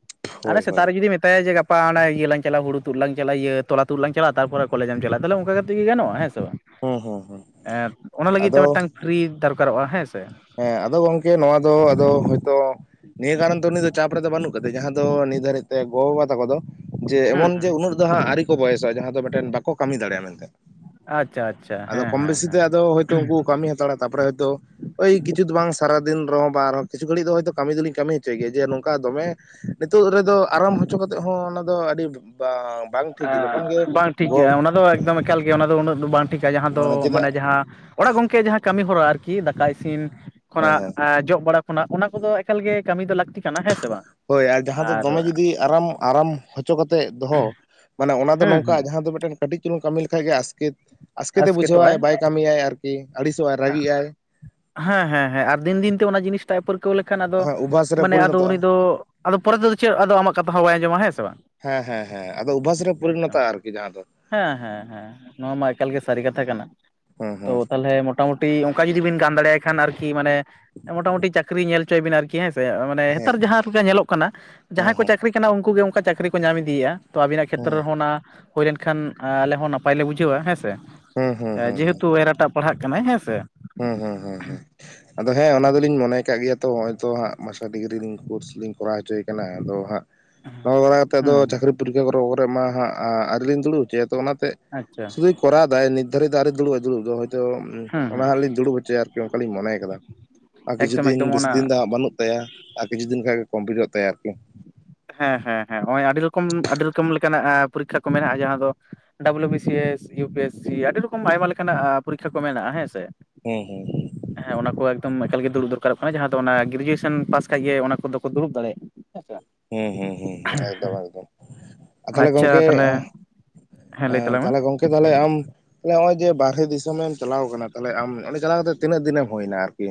᱾ᱟᱨᱮ ᱦᱳᱭ ᱦᱳᱭ ᱥᱮᱛᱟᱜ ᱨᱮ ᱡᱩᱫᱤ ᱢᱮᱛᱟᱭᱟ ᱡᱮ ᱜᱟ ᱜᱟᱯᱟ ᱤᱭᱟᱹᱟᱝ ᱪᱟᱟᱜ ᱦᱩᱲᱩᱫ ᱞᱟᱝ ᱪᱟᱞᱟᱜ ᱯᱟ ᱚᱱᱟ ᱤᱭᱟᱹ ᱞᱟᱝ ᱪᱟᱞᱟᱜ ᱦᱩᱲᱩ ᱛᱩᱫ ᱞᱟᱝ ᱪᱟᱞᱟᱜ ᱤᱭᱟᱹ ᱛᱚᱞᱟ ᱛᱩᱫ ᱞᱟᱝ ᱪᱟᱞᱟᱜ ᱛᱟᱨᱯᱚᱨᱮ ᱠᱚᱞᱮᱡᱮᱢ ᱪᱟᱞᱟᱜ-ᱟ, ᱛᱦᱟᱞᱮ ᱚᱝᱠᱟ ᱠᱟᱛᱮᱜ ᱜᱮ ᱜᱟᱱᱚᱜ-ᱟ ᱦᱮᱸ ᱥᱮᱸ ᱵᱟᱝ᱾ ᱦᱩᱸ ᱦᱩᱸ ᱦᱩᱸ, ᱚᱱᱟ ᱞᱟᱹᱜᱤᱫ ᱛᱮ ᱟᱫᱚ ᱢᱤᱫᱴᱟᱝ ᱯᱷᱨᱤ ᱫᱚᱨᱠᱟᱨᱚᱜ-ᱟ ᱦᱮᱸ ᱥᱮ᱾ ᱦᱮᱸ ᱟᱫᱚ ᱜᱚᱝᱠᱮ ᱱᱚᱣᱟ ᱫᱚ ᱟᱫᱚ ᱦᱳᱭᱛᱚ, ᱱᱤᱭᱟᱹ ᱠᱟᱨᱚᱱ ᱛᱮ ᱩᱱᱤ ᱫᱚ ᱪᱟᱯ ᱨᱮᱫᱚ ᱵᱟᱹᱱᱩᱜ ᱠᱟᱫᱮ, ᱡᱟᱦᱟᱸ ᱫᱚ ᱱᱤᱛ ᱫᱷᱟᱹᱨᱤᱡ ᱛᱮ ᱜᱚ ᱵᱟᱵᱟ ᱛᱟᱠᱚ ᱫᱚ ᱡᱮ ᱮᱢᱚᱱ ᱡᱮ ᱩᱱᱟᱹᱜ ᱫᱚ ᱦᱟᱜ ᱟᱹᱣᱨᱤ ᱠᱚ ᱵᱚᱭᱮᱥᱚᱜ-ᱟ, ᱡᱟᱦᱟᱸ ᱫᱚ ᱢᱤᱫᱮᱱ ᱵᱟᱠᱚ ᱠᱟᱹᱢᱤ ᱫᱟᱲᱮᱭᱟᱜ-ᱟ ᱢᱮᱱᱛᱮ᱾ ᱟᱪᱪᱷᱟ ᱟᱪᱪᱷᱟ ᱟᱫᱚ ᱦᱮᱸ ᱠᱚᱢ ᱦᱮᱸ ᱵᱮᱥᱤ ᱛᱮ ᱦᱮᱸ ᱟᱫᱚ ᱦᱚᱭ ᱛᱚ ᱩᱝᱠᱩ ᱠᱟᱹᱢᱤ ᱦᱟᱛᱟᱲᱟ, ᱛᱟᱨᱯᱚᱨᱮ ᱦᱚᱭᱛᱳ ᱟᱹᱭ ᱠᱤᱪᱷᱩ ᱵᱟᱝ ᱥᱟᱨᱟᱫᱤᱱ ᱨᱮᱦᱚᱸ ᱟᱨᱦᱚᱸ ᱠᱤᱪᱷᱩ ᱜᱷᱟᱹᱲ ᱫᱚ ᱦᱚᱭᱛᱳ ᱠᱟᱹᱢᱤ ᱫᱚᱞᱤᱧ ᱠᱟᱹᱢᱤ ᱦᱚᱪᱚᱭ ᱜᱮᱭᱟ, ᱡᱮ ᱱᱚᱝᱠᱟ ᱫᱚᱢᱮ ᱱᱤᱛᱚᱜ ᱨᱮᱫᱚ ᱟᱨᱟᱢ ᱦᱚᱪᱚ ᱠᱟᱛᱮᱜ ᱦᱚᱸ ᱚᱱᱟ ᱫᱚ ᱟᱹᱰᱤ ᱵᱟᱢ ᱦᱮᱸ ᱵᱟᱝ ᱴᱷᱤᱠ ᱜᱮᱭᱟ ᱚᱱᱟ ᱫᱚ ᱮᱠᱫᱚᱢ ᱮᱠᱟᱞ ᱜᱮ, ᱚᱱᱟ ᱫᱚ ᱩᱱᱟᱹᱜ ᱫᱚ ᱵᱟᱝ ᱴᱷᱤᱠᱟ, ᱡᱟᱦᱟᱸ ᱫᱚ ᱢᱟᱱᱮ ᱡᱟᱦᱟᱸ ᱚᱲᱟᱜ ᱜᱚᱝᱠᱮ ᱡᱟᱦᱟᱸ ᱠᱟᱹᱢᱤ ᱦᱚᱨᱟ ᱟᱨᱠᱤ ᱫᱟᱠᱟ ᱤᱥᱤᱱ ᱦᱮᱸ ᱦᱮᱸ ᱠᱷᱚᱱᱟᱜ ᱡᱚᱜ ᱵᱟᱲᱟ, ᱚᱱᱟ ᱚᱱᱟ ᱠᱚᱫᱚ ᱮᱠᱟᱞ ᱜᱮ ᱠᱟᱹᱢᱤ ᱫᱚ ᱞᱟᱹᱠᱛᱤ ᱠᱟᱱᱟ ᱦᱮᱸ ᱥᱮ ᱵᱟᱝ, ᱦᱳᱭ ᱟᱨ ᱡᱟᱦᱟᱸ ᱫᱚ ᱫᱚᱢᱮ ᱡᱩᱚᱫᱤ ᱟᱨᱟᱢ, ᱟᱨᱟᱢ ᱦᱚᱪᱚ ᱠᱟᱛᱮᱜ ᱫᱚᱦᱚ ᱢᱟᱱᱮ ᱚᱱᱟ ᱫᱚ ᱦᱮᱸ ᱦᱮᱸ ᱱᱚᱝᱠᱟ ᱡᱟᱦᱟᱸ ᱫᱚ ᱢᱤᱫᱴᱮᱱ ᱠᱟᱹᱴᱤᱡ ᱪᱩᱞᱩᱝ ᱠᱟᱹᱢᱤ ᱞᱮᱠᱷᱟᱡ ᱜᱮ ᱟᱥᱠᱮᱛ, ᱟᱥᱠᱮᱛᱮ ᱵᱩᱡᱷᱟᱹᱣᱟᱭ ᱟᱥᱠᱮᱛᱚᱜᱼᱟᱭ ᱵᱟᱭ ᱠᱟᱹᱢᱤᱭᱟᱭ, ᱟᱨ ᱟᱹᱲᱤᱥᱚᱜ-ᱟᱭ ᱨᱟᱹᱜᱤᱜ-ᱟᱭ, ᱦᱮᱸ ᱦᱮᱸ ᱦᱮᱸ, ᱟᱨ ᱫᱤᱱ ᱫᱤᱱ ᱛᱮ ᱚᱱᱟ ᱡᱤᱱᱤᱥ ᱛᱟᱜ ᱮ ᱯᱟᱹᱨᱠᱟᱹᱣ ᱞᱮᱠᱷᱟᱱ ᱟᱫᱚ, ᱦᱮᱸ ᱚᱵᱷᱟᱥ ᱨᱮ ᱢᱟᱱᱮ ᱟᱫᱚ ᱩᱱᱤ ᱯᱚᱨᱤᱱᱚᱛᱚᱜᱼᱟ ᱫᱚ ᱟᱫᱚ ᱯᱚᱨᱮ ᱛᱮᱫᱚ ᱪᱮᱫ ᱟᱫᱚ ᱟᱢᱟᱜ ᱠᱟᱛᱷᱟ ᱦᱚᱸ ᱵᱟᱭ ᱟᱸᱡᱚᱢᱟ ᱦᱮᱸ ᱥᱮ ᱵᱟᱝ᱾ ᱦᱮᱸ ᱦᱮᱸ ᱦᱮᱸ, ᱟᱫᱚ ᱚᱵᱷᱟᱥ ᱨᱮ ᱮᱠᱫᱚᱢ ᱯᱚᱨᱤᱱᱚᱛᱚᱜ-ᱟ ᱟᱨᱠᱤ ᱡᱟᱦᱟᱸ ᱫᱚ᱾ ᱦᱮᱸ ᱦᱮᱸ ᱦᱮᱸ, ᱱᱚᱣᱟ ᱢᱟ ᱮᱠᱟᱞᱜᱮ ᱥᱟᱹᱨᱤ ᱠᱟᱛᱷᱟ ᱠᱟᱱᱟ, ᱦᱮᱸ ᱛᱚ ᱦᱮᱸ ᱛᱟᱞᱦᱮ ᱢᱚᱴᱟᱢᱩᱴᱤ ᱚᱝᱠᱟ ᱡᱩᱫᱤ ᱵᱤᱱ ᱜᱟᱱ ᱫᱟᱲᱮᱭᱟᱭ ᱠᱷᱟᱱ ᱟᱨᱠᱤ, ᱢᱟᱱᱮ ᱢᱚᱴᱟᱢᱩᱴᱤ ᱪᱠᱨᱤ ᱧᱮᱞ ᱪᱚᱭ ᱵᱤᱱ ᱟᱨᱠᱤ ᱦᱮᱸ ᱥᱮᱸ᱾ ᱱᱮ ᱦᱮᱸ ᱦᱮᱛᱟᱨ ᱡᱟᱦᱟᱸ ᱞᱮᱠᱟ ᱧᱮᱞᱚᱜ ᱠᱟᱱᱟ, ᱦᱮᱸ ᱡᱟᱦᱟᱸᱭ ᱠᱚ ᱪᱟᱹᱠᱨᱤ ᱠᱟᱱᱟ ᱩᱝᱠᱩ ᱜᱮ ᱚᱝᱠᱟ ᱪᱟᱹᱠᱨᱤ ᱠᱚ ᱧᱟᱢ ᱤᱫᱤᱭᱮᱜ-ᱟ᱾ ᱛᱚ ᱟᱵᱤᱱᱟᱜ ᱠᱷᱮᱛᱨᱚ ᱨᱮᱦᱚᱸ ᱚᱱᱟ ᱦᱩᱭ ᱞᱮᱱᱠᱷᱟᱱ, ᱟᱞᱮ ᱦᱚᱸ ᱱᱟᱯᱟᱭ ᱞᱮ ᱵᱩᱡᱷᱟᱹᱣᱟ ᱦᱮᱸ ᱥᱮ᱾ ᱦᱮᱸ ᱦᱮᱸ ᱦᱩᱸ ᱦᱩᱸ ᱦᱩᱸ ᱦᱩᱸ ᱡᱮᱦᱮᱛᱩ ᱮᱨᱟᱴᱟᱜ ᱯᱟᱲᱦᱟᱜ ᱠᱟᱱᱟᱭ ᱦᱮᱸ ᱥᱮ᱾ ᱦᱩᱸ ᱦᱩᱸ ᱦᱩᱸ ᱦᱩᱸ, ᱟᱫᱚ ᱦᱮᱸ ᱚᱱᱟ ᱫᱚᱞᱤᱧ ᱢᱚᱱᱮ ᱠᱟᱜ ᱜᱮᱭᱟ ᱛᱚ ᱦᱚᱜ ᱚᱭ ᱛᱚ ᱦᱟᱸᱜ ᱢᱟᱥᱴᱟᱨ ᱰᱤᱜᱽᱨᱤᱧ ᱠᱳᱨᱥ ᱞᱤᱧ ᱠᱚᱨᱟᱣ ᱦᱚᱪᱚᱭᱮ ᱠᱟᱱᱟ ᱟᱫᱚ ᱦᱟᱸᱜ᱾ ᱱᱚᱣᱟ ᱵᱟᱲᱟ ᱠᱟᱛᱮ ᱟᱫᱚ ᱦᱮᱸ ᱪᱟᱹᱠᱨᱤ ᱯᱚᱨᱤᱠᱠᱷᱟ ᱠᱚᱨᱚ ᱠᱚᱨᱮ ᱢᱟ ᱦᱟᱸᱜ, ᱟᱹᱣᱨᱤ ᱞᱤᱧ ᱫᱩᱲᱩᱵ ᱦᱚᱪᱚᱭᱟ ᱛᱚ ᱚᱱᱟᱛᱮ ᱟᱪᱪᱷᱟ᱾ ᱥᱩᱫᱩᱭ ᱠᱚᱨᱟᱣ ᱫᱟᱭ ᱱᱤᱛ ᱫᱷᱟᱨᱤᱡ ᱫᱚ ᱟᱨᱤ ᱫᱩᱲᱩᱵ ᱟᱭ ᱫᱩᱲᱩᱵ ᱫᱚ ᱦᱚᱭᱛᱚ᱾ ᱦᱮᱸ ᱦᱮᱸ ᱚᱱᱟ ᱦᱟᱸᱜ ᱞᱤᱧ ᱫᱩᱲᱩᱵ ᱦᱚᱪᱚᱭᱟ ᱟᱨᱠᱤ ᱚᱝᱠᱟᱞᱤᱤᱧ ᱢᱚᱱᱮ ᱠᱟᱫᱟ, ᱟᱨ ᱠᱤᱪᱷᱩ ᱮᱠᱫᱚᱢ ᱫᱤᱱ ᱮᱠᱫᱚᱢ ᱵᱮᱥᱤ ᱚᱱᱟ ᱫᱤᱱ ᱫᱚ ᱦᱟᱸᱜ ᱵᱟᱹᱱᱩᱜ᱾ ᱛᱟᱭᱟ ᱟᱨ ᱠᱤᱪᱷᱩ ᱫᱤᱱ ᱠᱷᱟᱱ ᱜᱮ ᱠᱚᱢᱯᱞᱤᱴᱚᱜ ᱛᱟᱭᱟ ᱟᱨᱠᱤ᱾ ᱦᱮᱸ ᱦᱮᱸ ᱦᱮᱸ, ᱱᱚᱜᱼᱚᱭ ᱟᱹᱰᱤ ᱨᱚᱠᱚᱢ ᱟᱹᱰᱤ ᱨᱚᱠᱚᱢ ᱞᱮᱠᱟᱱᱟᱜ ᱯᱚᱨᱤᱠᱠᱷᱟ ᱠᱚ ᱢᱮᱱᱟᱜᱼᱟ᱾ ᱡᱟᱦᱟᱸ ᱫᱚ W B. C. S U P. S. C ᱟᱹᱰᱤ ᱨᱚᱠᱚᱢ ᱟᱭᱢᱟ ᱞᱮᱠᱟᱱᱟᱜ ᱟᱻ ᱯᱚᱨᱤᱠᱠᱷᱟ ᱠᱚ ᱢᱮᱱᱟᱜᱼᱟ ᱦᱮᱸ ᱥᱮ? ᱦᱮᱸ ᱦᱩᱸ᱾ ᱦᱮᱸ ᱚᱱᱟ ᱠᱚ ᱮᱠᱫᱚᱢ ᱮᱠᱟᱞᱮ ᱫᱩᱲᱩᱵ ᱫᱚᱨᱠᱟᱨᱚᱜ ᱠᱟᱱᱟ, ᱡᱟᱦᱟᱸ ᱫᱚ ᱚᱱᱟ ᱜᱨᱮᱡᱩᱭᱮᱥᱚᱱ ᱯᱟᱥ ᱠᱷᱟᱡᱜ ᱜᱮ ᱚᱱᱟ ᱠᱚᱫᱚ ᱫᱩᱲᱩᱵ ᱫᱟᱲᱮᱭᱟᱜᱼᱟ᱾ [unintelligible] ᱟᱪᱪᱷᱟ, ᱦᱩᱸ ᱦᱩᱸ ᱦᱩᱸ ᱦᱩᱸ ᱮᱠᱫᱚᱢ ᱮᱠᱫᱚᱢ᱾ ᱛᱟᱦᱚᱞᱮ ᱟᱪᱪᱷᱟ ᱜᱚᱝᱠᱮ ᱛᱟᱦᱚᱞᱮ ᱦᱮᱸ ᱮ ᱞᱟᱹᱭ ᱛᱟᱞᱟᱝ ᱢᱮ ᱛᱟᱦᱚᱞᱮ ᱜᱚᱝᱠᱮ ᱛᱟᱦᱞᱮ ᱟᱢ? ᱱᱚᱜ ᱚᱭ ᱡᱮ ᱵᱟᱨᱦᱮ ᱫᱤᱥᱚᱢᱮ ᱮᱢ ᱪᱟᱞᱟᱣ ᱠᱟᱱᱟ ᱛᱟᱦᱚᱞᱮ ᱟᱢ ᱚᱸᱰᱮ ᱪᱟᱞᱟᱣ ᱠᱟᱛᱮ ᱛᱤᱱᱟᱹ ᱫᱤᱱ ᱮᱢ ᱦᱩᱭᱱᱟ? ᱟᱨᱠᱤ᱾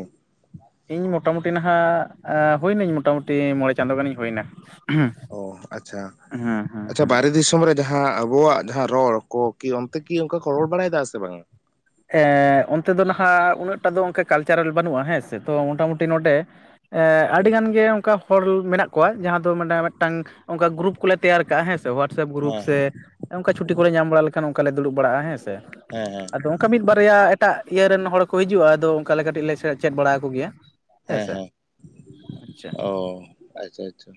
ᱤᱧ ᱢᱚᱴᱟᱢᱩᱴᱤ ᱱᱟᱦᱟᱜ ᱮᱻ ᱦᱩᱭᱱᱟᱹᱧ ᱢᱚᱴᱟᱢᱩᱴᱤ ᱢᱚᱸᱬᱮ ᱪᱟᱸᱫᱳ ᱜᱟᱱᱤᱧ ᱦᱩᱭᱱᱟ᱾ ᱦᱮᱸ ᱚ ᱟᱪᱪᱷᱟ ᱦᱮᱸ ᱟᱪᱪᱷᱟ ᱦᱮᱸ ᱵᱟᱦᱨᱮ ᱫᱤᱥᱚᱢ ᱨᱮ ᱡᱟᱦᱟᱸ ᱟᱵᱚᱣᱟᱜ ᱡᱟᱦᱟᱸ ᱨᱚᱲ ᱠᱚ ᱠᱤ ᱚᱱᱛᱮ ᱠᱤ ᱚᱱᱠᱟ ᱠᱚ ᱨᱚᱲ ᱵᱟᱲᱟᱭᱮᱫᱟ ᱥᱮ ᱵᱟᱝ? ᱮᱻ ᱚᱱᱛᱮ ᱫᱚ ᱱᱟᱦᱟᱜ ᱩᱱᱟᱹᱜᱴᱟ ᱫᱚ ᱚᱱᱠᱟ ᱠᱟᱞᱪᱟᱨᱟᱞ ᱵᱟᱹᱱᱩᱜᱼᱟ ᱦᱮᱸ ᱥᱮ ᱛᱚ ᱢᱳᱚᱴᱟᱢᱩᱴᱤ ᱱᱚᱸᱰᱮ ᱮᱻ ᱟᱹᱰᱤᱜᱟᱱ ᱜᱮ ᱚᱱᱠᱟ ᱦᱚᱲ ᱢᱮᱱᱟᱜ ᱠᱚᱣᱟᱜ ᱡᱟᱦᱟᱸ ᱫᱚ ᱢᱟᱱ ᱢᱤᱫᱴᱟᱝ ᱚᱱᱠᱟ ᱜᱨᱩᱯ ᱠᱚᱞᱮ ᱛᱮᱭᱟᱨ ᱠᱟᱜᱼᱟ ᱦᱮᱸ ᱥᱮ ᱦᱳᱣᱟᱴᱥᱮᱯ ᱜᱨᱩᱯ ᱦᱮᱸ ᱥᱮ ᱦᱮᱸ ᱚᱱᱠᱟ ᱪᱷᱩᱴᱤ ᱠᱚᱞᱮ ᱧᱟᱢ ᱵᱟᱲᱟ ᱞᱮᱠᱷᱟᱱ ᱚᱱᱠᱟᱞᱮ ᱫᱩᱲᱩᱵ ᱵᱟᱲᱟᱜᱼᱟ ᱦᱮᱸ ᱥᱮ ᱦᱮᱸ ᱦᱮᱸ ᱟᱫᱚ ᱚᱱᱠᱟ ᱢᱤᱫ ᱵᱟᱨᱭᱟ ᱮᱴᱟᱜ ᱤᱭᱟᱹ ᱨᱮᱱ ᱦᱚᱲ ᱠᱚ ᱦᱤᱡᱩᱜᱼᱟ ᱟᱫᱚ ᱚᱱᱠᱟᱞᱮ ᱠᱟᱹᱴᱤᱡ ᱞᱮ ᱥᱮ ᱪᱮᱫ ᱵᱟᱲᱟ ᱟᱠᱚ ᱜᱮᱭᱟ ᱦᱮᱸ ᱦᱮᱸ ᱟᱪᱪᱷᱟ ᱚᱻ ᱟᱪᱪᱷᱟ ᱟᱪᱪᱷᱟ